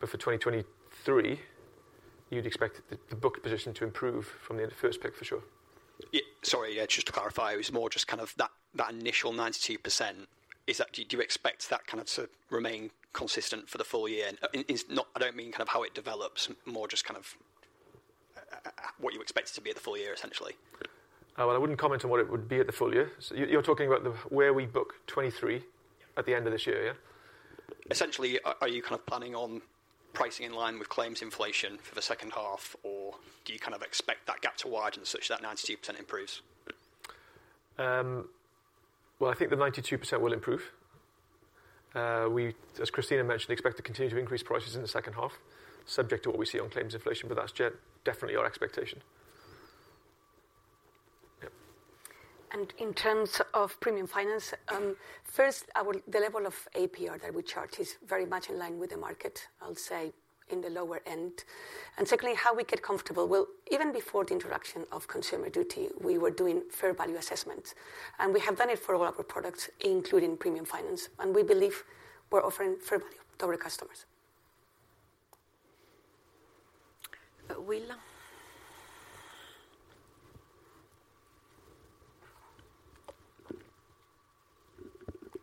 For 2023, you'd expect the, the book position to improve from the end of first pick, for sure. Yeah. Sorry, yeah, just to clarify, it's more just kind of that, that initial 92%, is that, do you expect that kind of to remain consistent for the full year? It's not, I don't mean kind of how it develops, more just kind of, what you expect it to be at the full year, essentially. Well, I wouldn't comment on what it would be at the full year. You, you're talking about the, where we book 23- Yeah. at the end of this year, yeah? Essentially, are you kind of planning on pricing in line with claims inflation for the second half, or do you kind of expect that gap to widen such that 92% improves? Well, I think the 92% will improve. We, as Cristina mentioned, expect to continue to increase prices in the second half, subject to what we see on claims inflation, but that's definitely our expectation. Yep. In terms of premium finance, first, the level of APR that we charge is very much in line with the market, I'll say, in the lower end. Secondly, how we get comfortable. Well, even before the introduction of Consumer Duty, we were doing fair value assessments, and we have done it for all of our products, including premium finance, and we believe we're offering fair value to our customers. Will?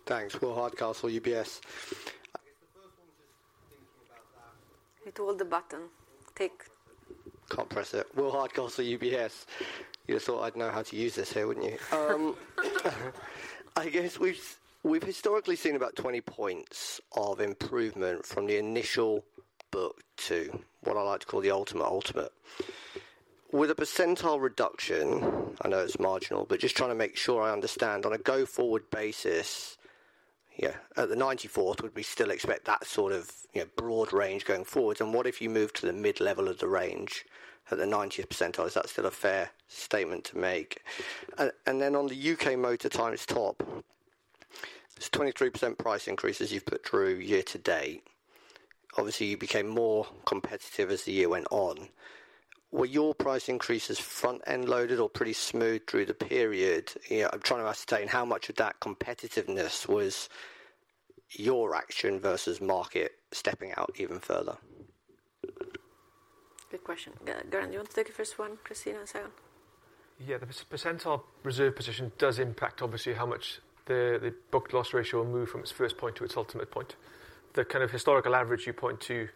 Thanks. Will Hardcastle, UBS. You hold the button, tick. Can't press it. Will Hardcastle, UBS. You thought I'd know how to use this here, wouldn't you? I guess we've, we've historically seen about 20 points of improvement from the initial book to what I like to call the ultimate, ultimate. With a percentile reduction, I know it's marginal, but just trying to make sure I understand, on a go-forward basis, at the 94th, would we still expect that sort of, you know, broad range going forward? What if you move to the mid-level of the range at the 90th percentile? Is that still a fair statement to make? Then on the UK motor time stop, it's 23% price increases you've put through year to date. Obviously, you became more competitive as the year went on. Were your price increases front-end loaded or pretty smooth through the period? You know, I'm trying to ascertain how much of that competitiveness was your action versus market stepping out even further. Good question. Geraint, you want to take the first one, Cristina second? Yeah, the percentile reserve position does impact, obviously, how much the, the book-loss ratio will move from its first point to its ultimate point. The kind of historical average you point to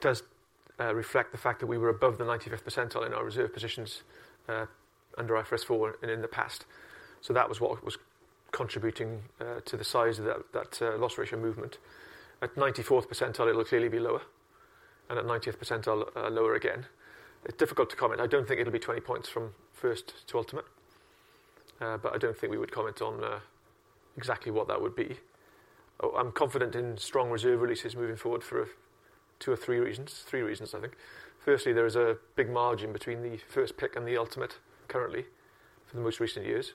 does reflect the fact that we were above the 95th percentile in our reserve positions under IFRS 4 in the past. That was what was contributing to the size of that, that loss ratio movement. At 94th percentile, it will clearly be lower, and at 90th percentile, lower again. It's difficult to comment. I don't think it'll be 20 points from first to ultimate, but I don't think we would comment on exactly what that would be. Oh, I'm confident in strong reserve releases moving forward for two or three reasons. Three reasons, I think. Firstly, there is a big margin between the first pick and the ultimate, currently, for the most recent years,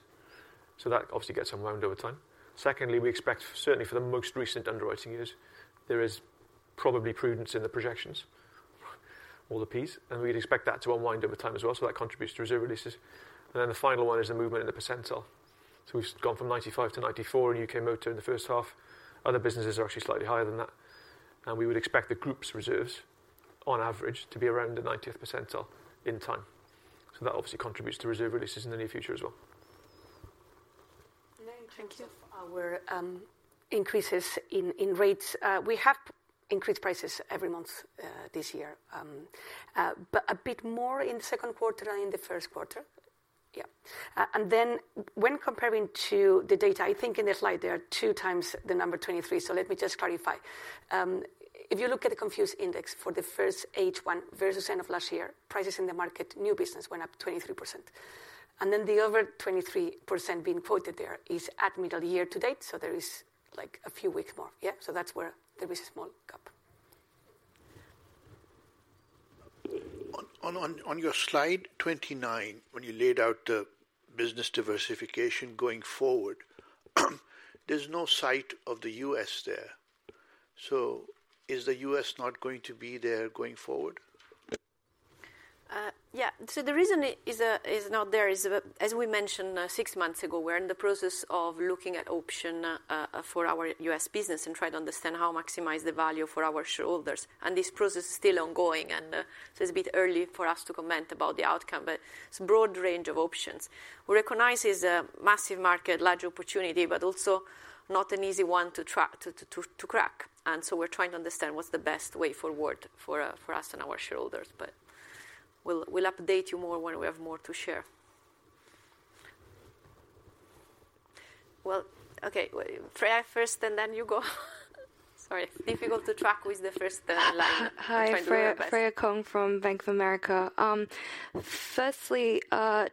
so that obviously gets some round over time. Secondly, we expect, certainly for the most recent underwriting years, there is probably prudence in the projections, all the Ps, and we'd expect that to unwind over time as well, so that contributes to reserve releases. Then the final one is the movement in the percentile. We've gone from 95 to 94 in UK motor in the first half. Other businesses are actually slightly higher than that, and we would expect the group's reserves, on average, to be around the 90th percentile in time. That obviously contributes to reserve releases in the near future as well. Thank you. In terms of our increases in rates, we have increased prices every month this year. A bit more in the second quarter than in the first quarter. Yeah. When comparing to the data, I think in the slide there are two times the number 23, so let me just clarify. If you look at the Confused index for the first H1 versus end of last year, prices in the market, new business went up 23%. The other 23% being quoted there is at middle year-to-date, so there is, like, a few weeks more. Yeah, so that's where there is a small gap. Your slide 29, when you laid out the business diversification going forward, there's no sight of the U.S. there. Is the U.S. not going to be there going forward? Yeah. The reason it is not there is that, as we mentioned, six months ago, we're in the process of looking at option for our US business and try to understand how to maximize the value for our shareholders. This process is still ongoing, and it's a bit early for us to comment about the outcome, but it's a broad range of options. We recognize it's a massive market, large opportunity, but also not an easy one to track, to crack. We're trying to understand what's the best way forward for us and our shareholders, but we'll update you more when we have more to share. Well, okay. Freya first, and then you go. Sorry. Difficult to track who is the first line. Hi, Freya, Freya Kong from Bank of America. Firstly,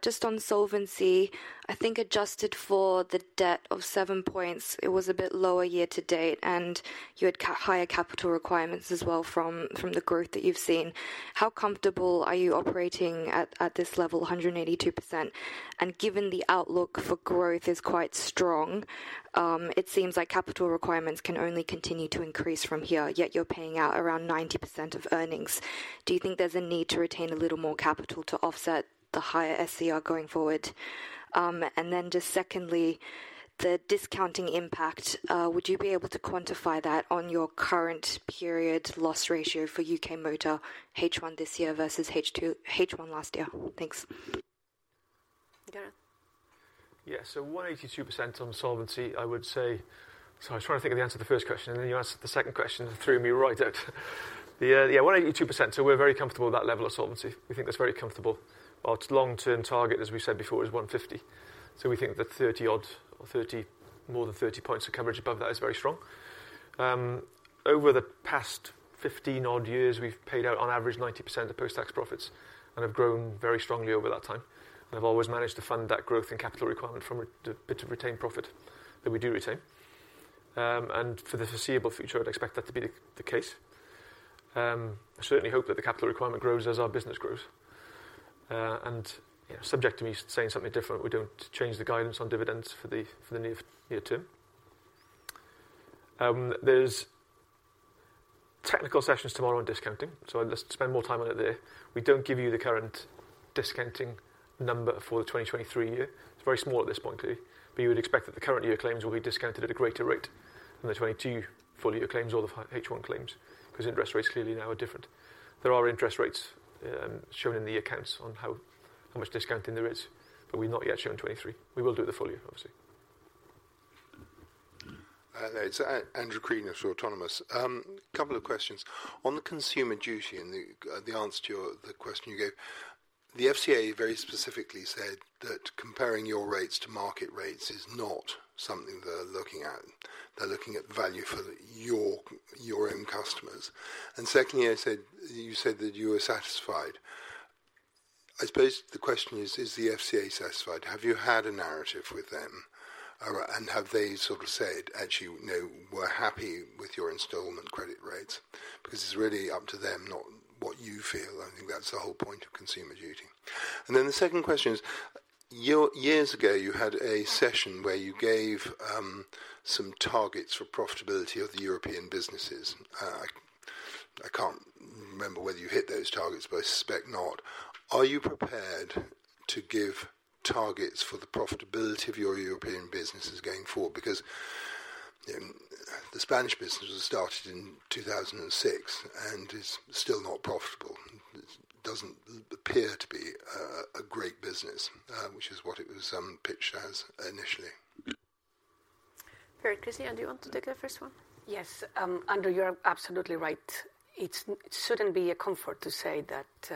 just on solvency, I think adjusted for the debt of seven points, it was a bit lower year to date, and you had higher capital requirements as well from, from the growth that you've seen. How comfortable are you operating at, at this level, 182%? Given the outlook for growth is quite strong, it seems like capital requirements can only continue to increase from here, yet you're paying out around 90% of earnings. Do you think there's a need to retain a little more capital to offset the higher SCR going forward? Then just secondly, the discounting impact, would you be able to quantify that on your current period loss ratio for UK motor H1 this year versus H2... H1 last year? Thanks. Geraint? Yeah, 182% on solvency. I would say. Sorry, I was trying to think of the answer to the first question, and then you asked the second question, and it threw me right out. Yeah, yeah, 182%. We're very comfortable with that level of solvency. We think that's very comfortable. Our long-term target, as we said before, is 150. We think that 30 odd or 30, more than 30 points of coverage above that is very strong. Over the past 15 odd years, we've paid out on average 90% of post-tax profits and have grown very strongly over that time, and have always managed to fund that growth and capital requirement from a bit of retained profit that we do retain. For the foreseeable future, I'd expect that to be the case. I certainly hope that the capital requirement grows as our business grows. You know, subject to me saying something different, we don't change the guidance on dividends for the, for the near, near term. There's technical sessions tomorrow on discounting, I'll just spend more time on it there. We don't give you the current discounting number for the 2023 year. It's very small at this point, you would expect that the current year claims will be discounted at a greater rate than the 22 full year claims or the H1 claims, 'cause interest rates clearly now are different. There are interest rates shown in the accounts on how, how much discounting there is, we've not yet shown 23. We will do the full year, obviously. It's Andrew Crean from Autonomous Research. A couple of questions. On the Consumer Duty and the answer to the question you gave, the FCA very specifically said that comparing your rates to market rates is not something they're looking at. They're looking at value for your, your own customers. Secondly, you said that you were satisfied. I suppose the question is: Is the FCA satisfied? Have you had a narrative with them? Have they sort of said, "Actually, no, we're happy with your installment credit rates" Because it's really up to them, not what you feel. I think that's the whole point of Consumer Duty. Then the second question is, years ago, you had a session where you gave some targets for profitability of the European businesses. I can't remember whether you hit those targets, but I suspect not. Are you prepared to give targets for the profitability of your European businesses going forward? Because the Spanish business was started in 2006 and is still not profitable. It doesn't appear to be a, a great business, which is what it was pitched as initially. Very good. Cristina, do you want to take the first one? Yes, Andrew, you're absolutely right. It shouldn't be a comfort to say that,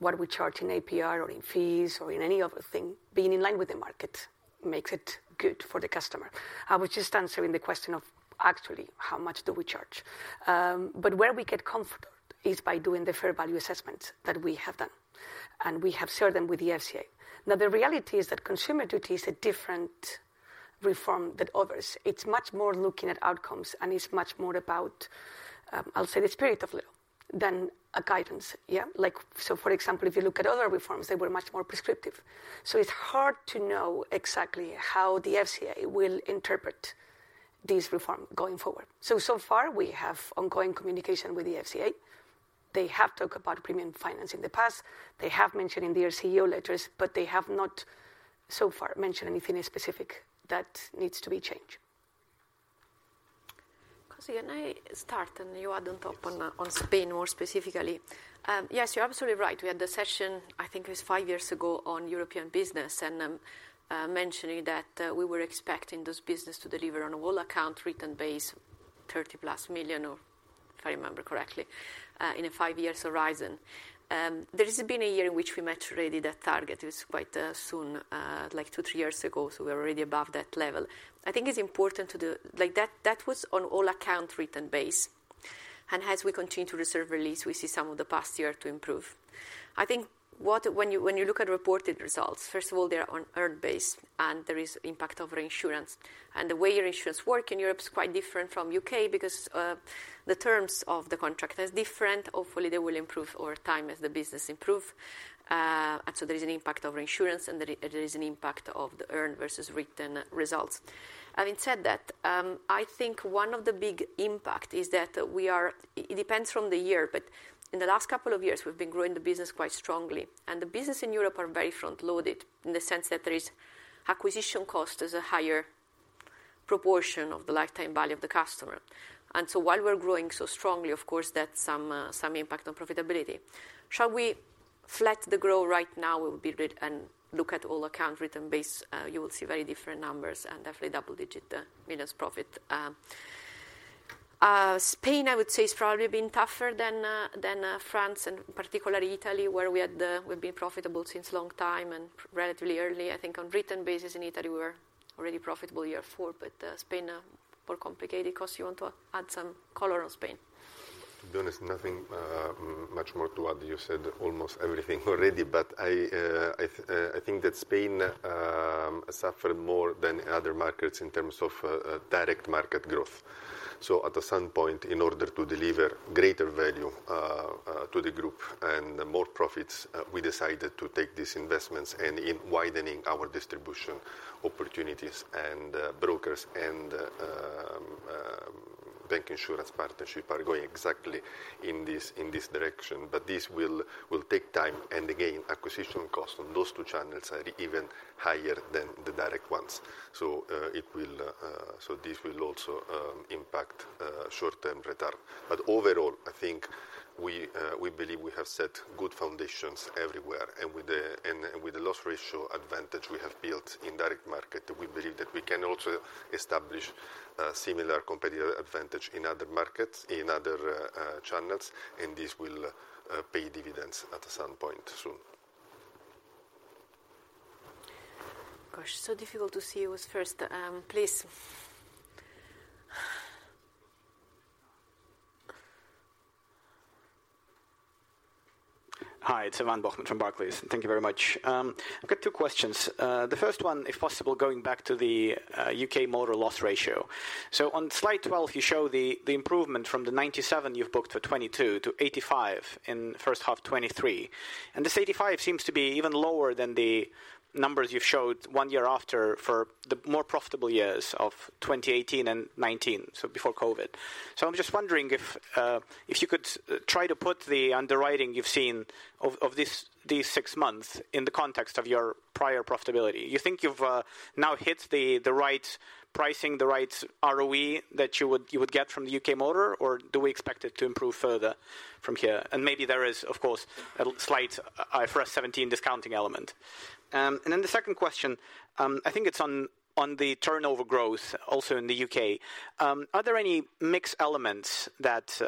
what we charge in APR or in fees or in any other thing, being in line with the market makes it good for the customer. I was just answering the question of, actually, how much do we charge? Where we get comfort is by doing the fair value assessments that we have done, and we have shared them with the FCA. The reality is that Consumer Duty is a different reform than others. It's much more looking at outcomes, and it's much more about, I'll say, the spirit of law than a guidance. Like, so for example, if you look at other reforms, they were much more prescriptive. It's hard to know exactly how the FCA will interpret... these reform going forward. So far, we have ongoing communication with the FCA. They have talked about premium finance in the past. They have mentioned in their CEO letters, but they have not, so far, mentioned anything specific that needs to be changed. Costantino, can I start, and you add on top on Spain more specifically? Yes, you're absolutely right. We had the session, I think it was five years ago, on European business, and mentioning that we were expecting this business to deliver on a whole account written base, 30+ million, or if I remember correctly, in a five years horizon. There has been a year in which we met already that target. It was quite soon, like two, three years ago, so we're already above that level. I think it's important. Like, that, that was on all account written base, and as we continue to reserve release, we see some of the past year to improve. I think when you, when you look at reported results, first of all, they're on earned base. There is impact of reinsurance. The way reinsurance work in Europe is quite different from U.K. because the terms of the contract is different. Hopefully, they will improve over time as the business improve. There is an impact of reinsurance, and there is an impact of the earned versus written results. Having said that, I think one of the big impact is that we are... it depends from the year, but in the last couple of years, we've been growing the business quite strongly. The business in Europe are very front-loaded, in the sense that there is acquisition cost is a higher proportion of the lifetime value of the customer. While we're growing so strongly, of course, that's some impact on profitability. Shall we select the grow right now and look at all the account written base, you'll see very different numbers and definitely double-digit minus profit. Spain, I would say, has probably been tougher than France and particulary Italy, where we've been profitable since a long time and relatively early. I think on written basis in Italy, we were already profitable year four, but Spain is more complicated, Costi you want to add some colour on Spain? Not much more to add, you said almost everything already, but I think that Spain suffered more than other markets in terms of direct market growth. So at the same point, in order to deliver greater value to the group and more profits, we decided to take investments and in widening our distribution opportunities and brokers and bank insurance partnership are going exactly in this direction. But this will take time and again, to acquisition costs on those two channels are even higher than the direct ones. This will also impact short-term return. Overall, I think we believe we have set good foundations everywhere. With the, and with the loss ratio advantage we have built in direct market, we believe that we can also establish a similar competitive advantage in other markets, in other channels, and this will pay dividends at some point soon. Gosh, it's so difficult to see who was first. Please. Hi, it's Ivan Bokhmat from Barclays. Thank you very much. I've got two questions. The first one, if possible, going back to the UK motor loss ratio. On slide 12, you show the improvement from the 97% you've booked for 2022 to 85% in H1 2023. This 85% seems to be even lower than the numbers you've showed one year after for the more profitable years of 2018 and 2019, so before COVID. I'm just wondering if you could try to put the underwriting you've seen of these 6 months in the context of your prior profitability. You think you've now hit the right pricing, the right ROE that you would get from the UK motor, or do we expect it to improve further from here? Maybe there is, of course, a slight IFRS 17 discounting element. The second question, I think it's on, on the turnover growth also in the U.K.. Are there any mix elements that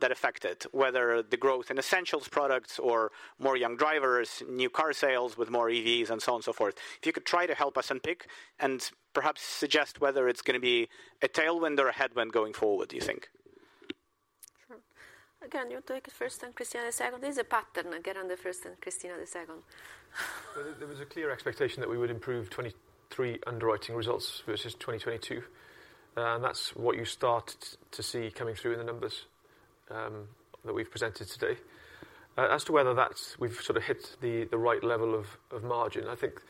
affect it, whether the growth in essentials products or more young drivers, new car sales with more EVs, and so on and so forth? If you could try to help us unpick and perhaps suggest whether it's gonna be a tailwind or a headwind going forward, do you think? Sure. Again, you take it first, then Cristina the second. There's a pattern. Geraint on the first, then Cristina the second. There was a clear expectation that we would improve 2023 underwriting results versus 2022, and that's what you start to see coming through in the numbers that we've presented today. As to whether that's, we've sort of hit the right level of margin, I think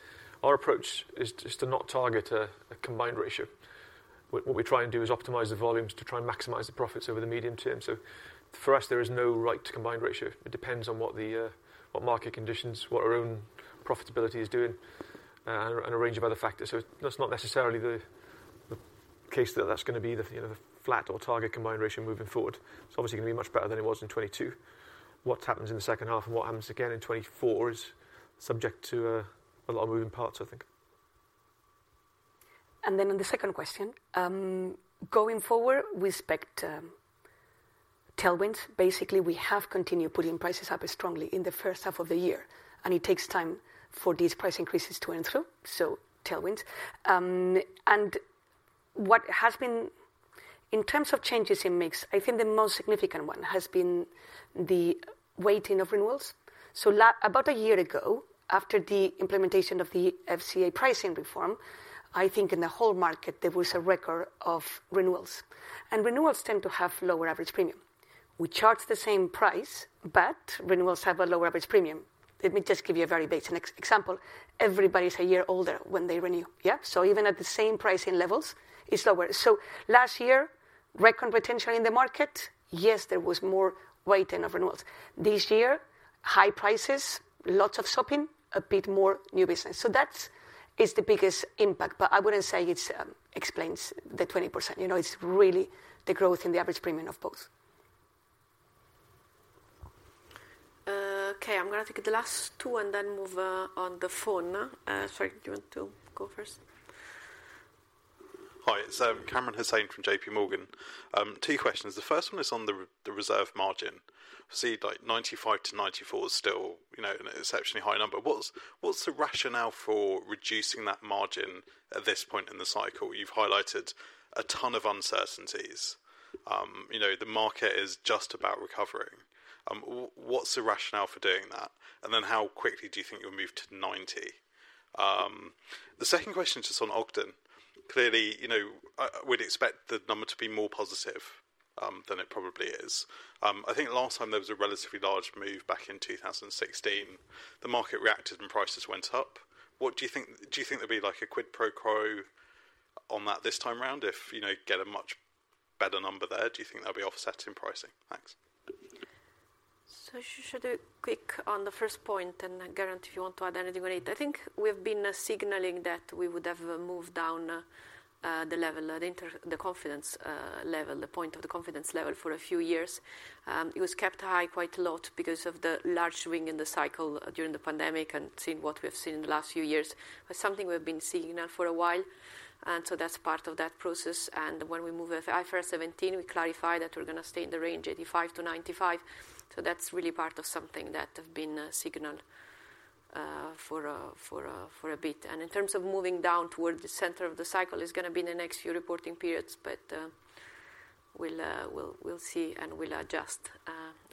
our approach is just to not target a combined ratio. What we try and do is optimize the volumes to try and maximize the profits over the medium term. For us, there is no right combined ratio. It depends on what the market conditions, what our own profitability is doing, and a range of other factors. That's not necessarily the case that that's gonna be the, you know, the flat or target combined ratio moving forward. It's obviously gonna be much better than it was in 2022. What happens in the second half and what happens again in 2024 is subject to a lot of moving parts, I think. Then on the second question, going forward, we expect tailwinds. Basically, we have continued putting prices up strongly in the first half of the year, and it takes time for these price increases to run through, so tailwinds. What has been, in terms of changes in mix, I think the most significant one has been the weighting of renewals. About a year ago, after the implementation of the FCA pricing reform, I think in the whole market, there was a record of renewals, and renewals tend to have lower average premium. We charge the same price, but renewals have a lower average premium. Let me just give you a very basic ex-example. Everybody's a year older when they renew, yeah? Even at the same pricing levels, it's lower. Last year, record retention in the market, yes, there was more weight in renewals. This year, high prices, lots of shopping, a bit more new business. That is the biggest impact, but I wouldn't say it's explains the 20%. You know, it's really the growth in the average premium of both. Okay, I'm going to take the last two and then move on the phone. Sorry, do you want to go first? Hi, it's Kamran Hussain from JP Morgan. Two questions. The first one is on the the reserve margin. See, like 95 to 94 is still, you know, an exceptionally high number. What's, what's the rationale for reducing that margin at this point in the cycle? You've highlighted a ton of uncertainties. You know, the market is just about recovering. What's the rationale for doing that? Then how quickly do you think you'll move to 90? The second question is just on Ogden. Clearly, you know, I, I would expect the number to be more positive than it probably is. I think last time there was a relatively large move back in 2016, the market reacted, and prices went up. Do you think there'd be, like, a quid pro quo on that this time around if, you know, get a much better number there? Do you think that'll be offset in pricing? Thanks. Should I quick on the first point, and, Geraint, if you want to add anything on it. I think we've been signaling that we would have moved down the level, the confidence level, the point of the confidence level for a few years. It was kept high quite a lot because of the large swing in the cycle during the pandemic and seeing what we've seen in the last few years. Something we've been seeing now for a while, and so that's part of that process. When we move IFRS 17, we clarify that we're going to stay in the range 85%-95%. That's really part of something that has been signaled for a bit. In terms of moving down toward the center of the cycle, is going to be in the next few reporting periods, but, we'll, we'll, we'll see, and we'll adjust,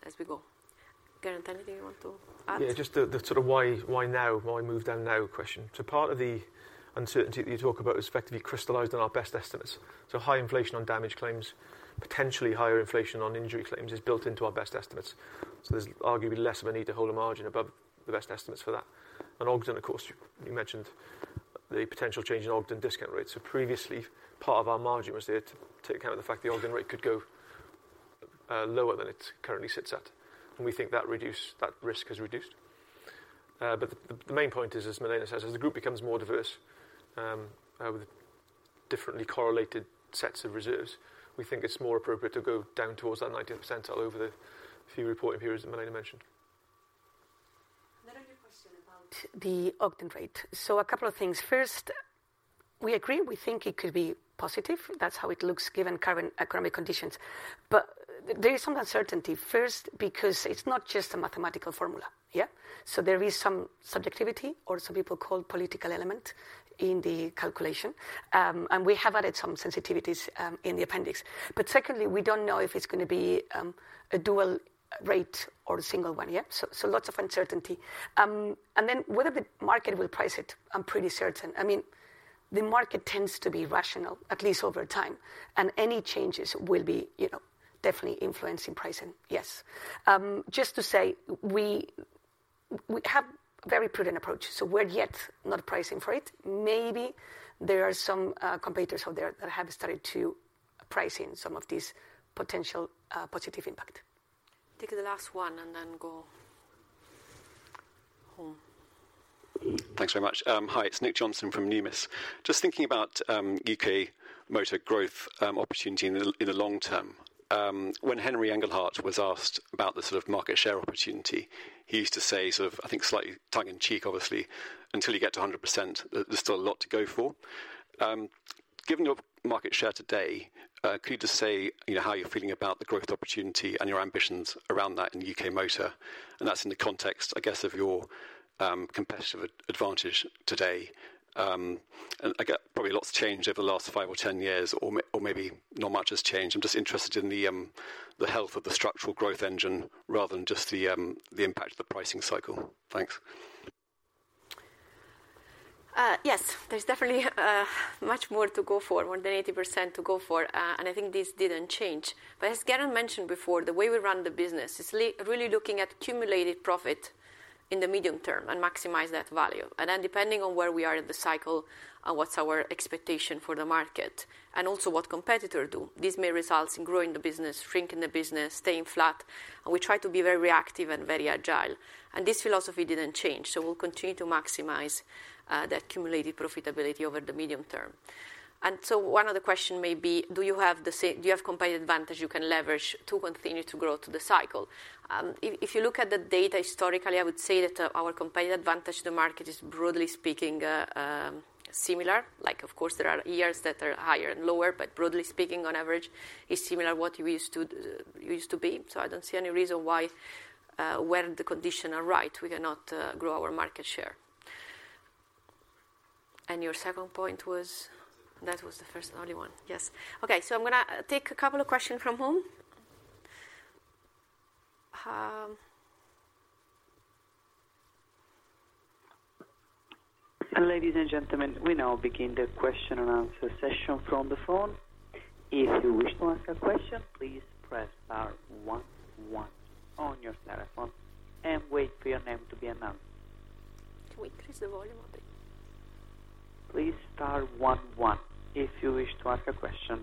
as we go. Geraint, anything you want to add? Yeah, just the, the sort of why, why now? Why move down now question. Part of the uncertainty that you talk about is effectively crystallized in our best estimates. High inflation on damage claims, potentially higher inflation on injury claims is built into our best estimates. So there's arguably less of a need to hold a margin above the best estimates for that. And also of course, you mentioned the potential change in Ogden discount rates. Previously, part of our margin was there to take account of the fact the Ogden rate could go lower than it currently sits at, and we think that risk is reduced. The, the main point is, as Milena says, as the group becomes more diverse, with differently correlated sets of reserves, we think it's more appropriate to go down towards that 90th percentile over the few reporting periods, as Milena mentioned. Another question about the Ogden rate. A couple of things. First, we agree, we think it could be positive. That's how it looks given current economic conditions. There is some uncertainty. First, because it's not just a mathematical formula, yeah? There is some subjectivity or some people call political element in the calculation. We have added some sensitivities in the appendix. Secondly, we don't know if it's going to be a dual rate or a single one, yeah? Lots of uncertainty. Whether the market will price it, I'm pretty certain. I mean, the market tends to be rational, at least over time, and any changes will be, you know, definitely influencing pricing, yes. Just to say, we have very prudent approach, we're yet not pricing for it. Maybe there are some competitors out there that have started to price in some of these potential positive impact. Take the last one and then go home. Thanks very much. Hi, it's Nick Johnson from Numis. Just thinking about UK motor growth opportunity in the long term. When Henry Engelhardt was asked about the sort of market share opportunity, he used to say, sort of, I think, slightly tongue in cheek, obviously, "Until you get to 100%, there's still a lot to go for." Given your market share today, could you just say, you know, how you're feeling about the growth opportunity and your ambitions around that in the UK motor? That's in the context, I guess, of your competitive advantage today. I get probably lots changed over the last five or 10 years, or maybe not much has changed. I'm just interested in the, the health of the structural growth engine rather than just the, the impact of the pricing cycle. Thanks. Yes, there's definitely much more to go for, more than 80% to go for. I think this didn't change. As Geraint mentioned before, the way we run the business is really looking at cumulative profit in the medium term and maximize that value. Then, depending on where we are in the cycle and what's our expectation for the market and also what competitor do, this may result in growing the business, shrinking the business, staying flat, we try to be very reactive and very agile. This philosophy didn't change. We'll continue to maximize the accumulated profitability over the medium term. One of the question may be: Do you have competitive advantage you can leverage to continue to grow to the cycle? If, if you look at the data historically, I would say that our competitive advantage, the market is, broadly speaking, similar. Like, of course, there are years that are higher and lower, but broadly speaking, on average, it's similar what we used to, used to be. I don't see any reason why, when the conditions are right, we cannot grow our market share. Your second point was? That was the first and only one. Yes. Okay, I'm gonna take a couple of questions from home. Ladies and gentlemen, we now begin the question and answer session from the phone. If you wish to ask a question, please press star one one on your telephone and wait for your name to be announced. Can we increase the volume a bit? Please star one one if you wish to ask a question.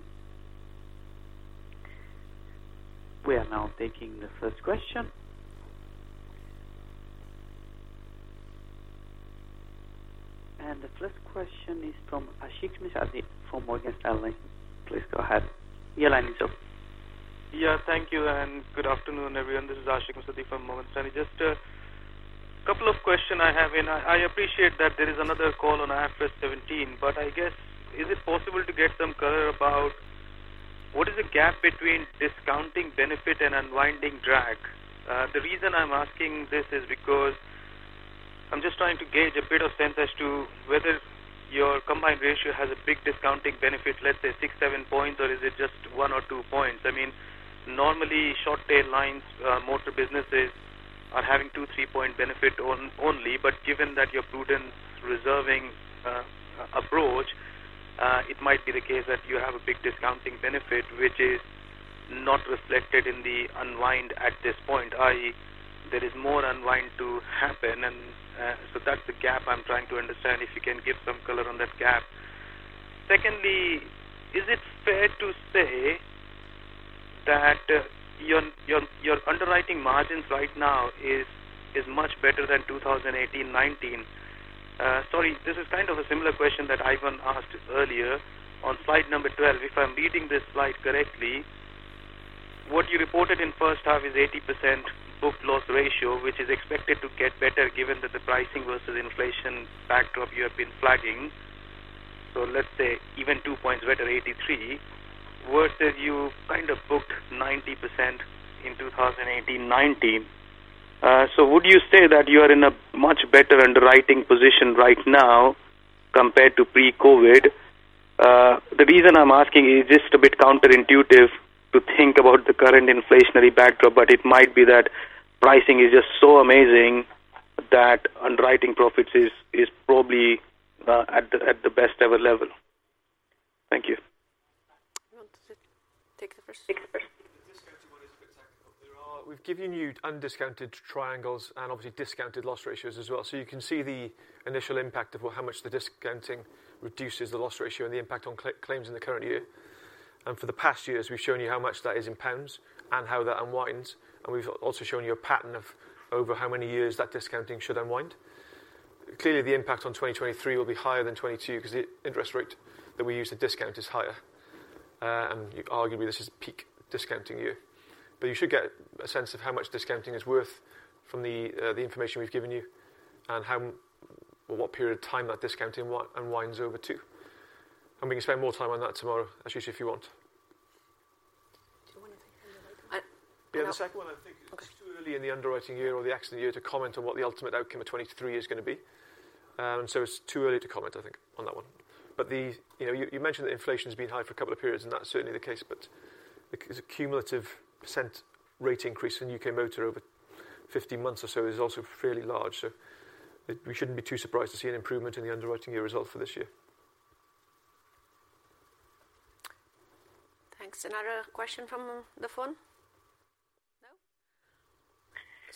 We are now taking the first question. The first question is from Ashik Musaddi from Morgan Stanley. Please go ahead. Your line is open. Yeah, thank you, and good afternoon, everyone. This is Ashik Musaddi from Morgan Stanley. Just a couple of questions I have, and I, I appreciate that there is another call on IFRS 17, but I guess, is it possible to get some color about what is the gap between discounting benefit and unwinding drag? The reason I'm asking this is because I'm just trying to gauge a bit of sense as to whether your combined ratio has a big discounting benefit, let's say six, seven points, or is it just one or two points? I mean, normally, short tail lines, motor businesses are having two, three points benefit only, but given that your prudent reserving approach, it might be the case that you have a big discounting benefit, which is not reflected in the unwind at this point, i.e., there is more unwind to happen. So that's the gap I'm trying to understand, if you can give some color on that gap. Secondly, is it fair to say that your, your, your underwriting margins right now is, is much better than 2018, 2019? Sorry, this is kind of a similar question that Ivan asked earlier. On slide number 12, if I'm reading this slide correctly, what you reported in first half is 80% book-loss ratio, which is expected to get better given that the pricing versus inflation backdrop you have been flagging. Let's say even two points better, 83, versus you kind of booked 90% in 2018, 2019. Would you say that you are in a much better underwriting position right now compared to pre-COVID? The reason I'm asking is just a bit counterintuitive to think about the current inflationary backdrop, but it might be that pricing is just so amazing that underwriting profits is probably at the best ever level. Thank you. You want to take the first? Take the first. The discounted one is a bit technical. There are. We've given you undiscounted triangles and obviously discounted loss ratios as well. You can see the initial impact of, well, how much the discounting reduces the loss ratio and the impact on claims in the current year. For the past years, we've shown you how much that is in GBP and how that unwinds, and we've also shown you a pattern of over how many years that discounting should unwind. Clearly, the impact on 2023 will be higher than 2022, 'cause the interest rate that we use to discount is higher. Arguably, this is a peak discounting year. You should get a sense of how much discounting is worth from the information we've given you and how, what period of time that discounting unwinds over to. We can spend more time on that tomorrow, Ashik, if you want. Do you want to take underwriting? Yeah, the second one, I think it's too early in the underwriting year or the actual year to comment on what the ultimate outcome of 2023 is going to be. It's too early to comment, I think, on that one. The, you know, you, you mentioned that inflation has been high for a couple of periods, and that's certainly the case, but the cumulative % rate increase in UK motor over 15 months or so is also fairly large. We shouldn't be too surprised to see an improvement in the underwriting year results for this year. Thanks. Another question from the phone? No.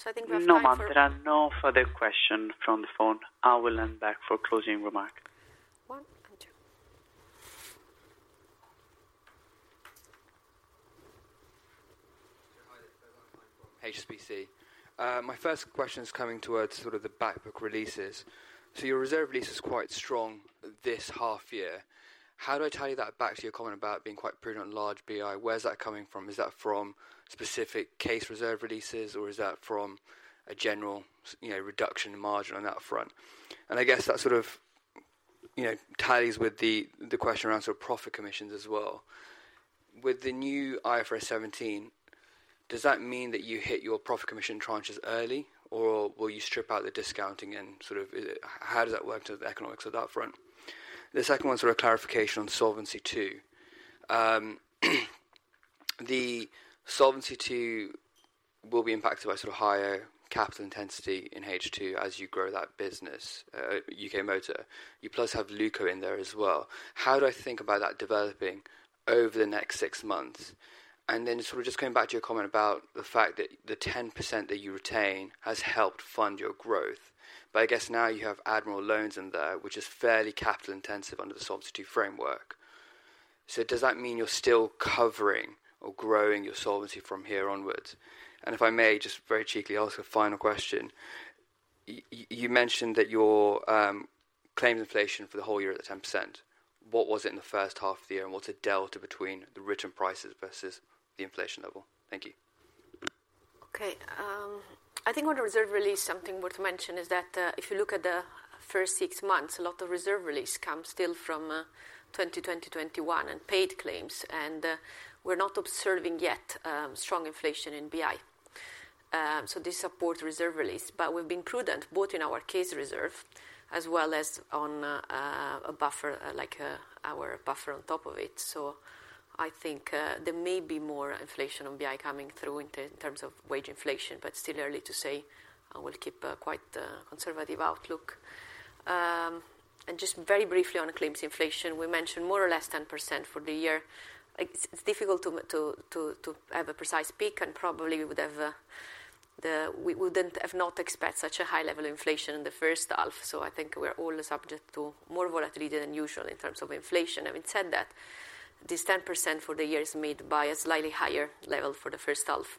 I think we have time for- No, ma'am, there are no further questions from the phone. I will hand back for closing remarks. One and two. Hi, Ben Firmin from HSBC. My first question is coming towards the back book releases. Your reserve release is quite strong this half year. How do I tie that back to your comment about being quite prudent on large BI? Where is that coming from? Is that from specific case reserve releases, or is that from a general reduction in margin on that front? I guess that ties with the question around profit commissions as well. With the new IFRS 17, does that mean that you hit your profit commission tranches early, or will you strip out the discounting and how does that work to the economics of that front? The second one is clarification on Solvency II. The Solvency II will be impacted by sort of higher capital intensity in H2 as you grow that business, UK Motor. You plus have Luko in there as well. How do I think about that developing over the next six months? Coming back to your comment about the fact that the 10% that you retain has helped fund your growth. You have Admiral Money in there, which is fairly capital intensive under the Solvency II framework. Does that mean you're still covering or growing your solvency from here onwards? If I may, just very cheeky, ask a final question. You mentioned that your claims inflation for the whole year is at 10%. What was it in the first half of the year, and what's the delta between the written prices versus the inflation level? Thank you. I think on the reserve release, something worth to mention is that, if you look at the first six months, a lot of reserve release comes still from 2020, 2021, and paid claims, and we're not observing yet strong inflation in BI. This support reserve release, but we've been prudent both in our case reserve as well as on.... a buffer, like, our buffer on top of it. I think there may be more inflation on BI coming through in terms of wage inflation, but still early to say. I will keep a quite conservative outlook. Just very briefly on claims inflation, we mentioned more or less 10% for the year. Like, it's, it's difficult to have a precise peak, and probably we wouldn't have not expect such a high level of inflation in the first half. I think we're all subject to more volatility than usual in terms of inflation. Having said that, this 10% for the year is made by a slightly higher level for the first half,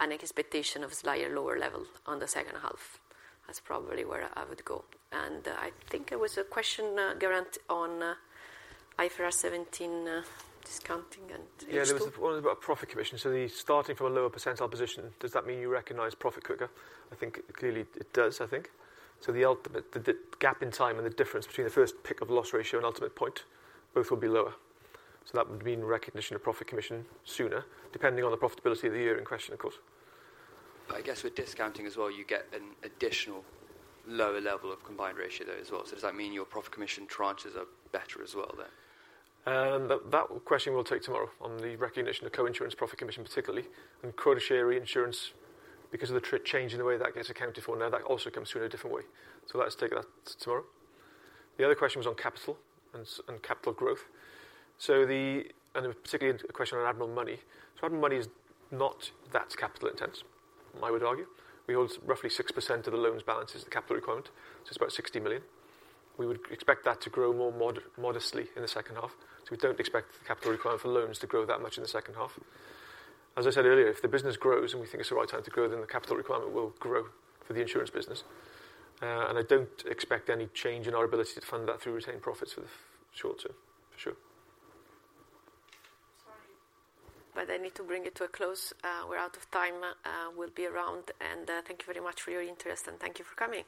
and expectation of a slightly lower level on the second half. That's probably where I would go. I think there was a question, Geraint, on IFRS 17 discounting and issue. Yeah, there was one about profit commission. The starting from a lower percentile position, does that mean you recognize profit quicker? I think clearly it does, I think. The ultimate... the, the gap in time and the difference between the first pick of loss ratio and ultimate point, both will be lower. That would mean recognition of profit commission sooner, depending on the profitability of the year in question, of course. I guess with discounting as well, you get an additional lower level of combined ratio there as well. Does that mean your profit commission tranches are better as well then? That, that question we'll take tomorrow on the recognition of co-insurance profit commission particularly, and quota share reinsurance, because of the change in the way that gets accounted for now, that also comes through in a different way. Let's take that tomorrow. The other question was on capital and, and capital growth. The... and particularly a question on Admiral Money. Admiral Money is not that capital intense, I would argue. We hold roughly 6% of the loans balance as the capital requirement, so it's about 60 million. We would expect that to grow more modestly in the second half, so we don't expect the capital requirement for loans to grow that much in the second half. As I said earlier, if the business grows and we think it's the right time to grow, then the capital requirement will grow for the insurance business. I don't expect any change in our ability to fund that through retained profits for the short term, for sure. Sorry, I need to bring it to a close. We're out of time. We'll be around, and, thank you very much for your interest, and thank you for coming.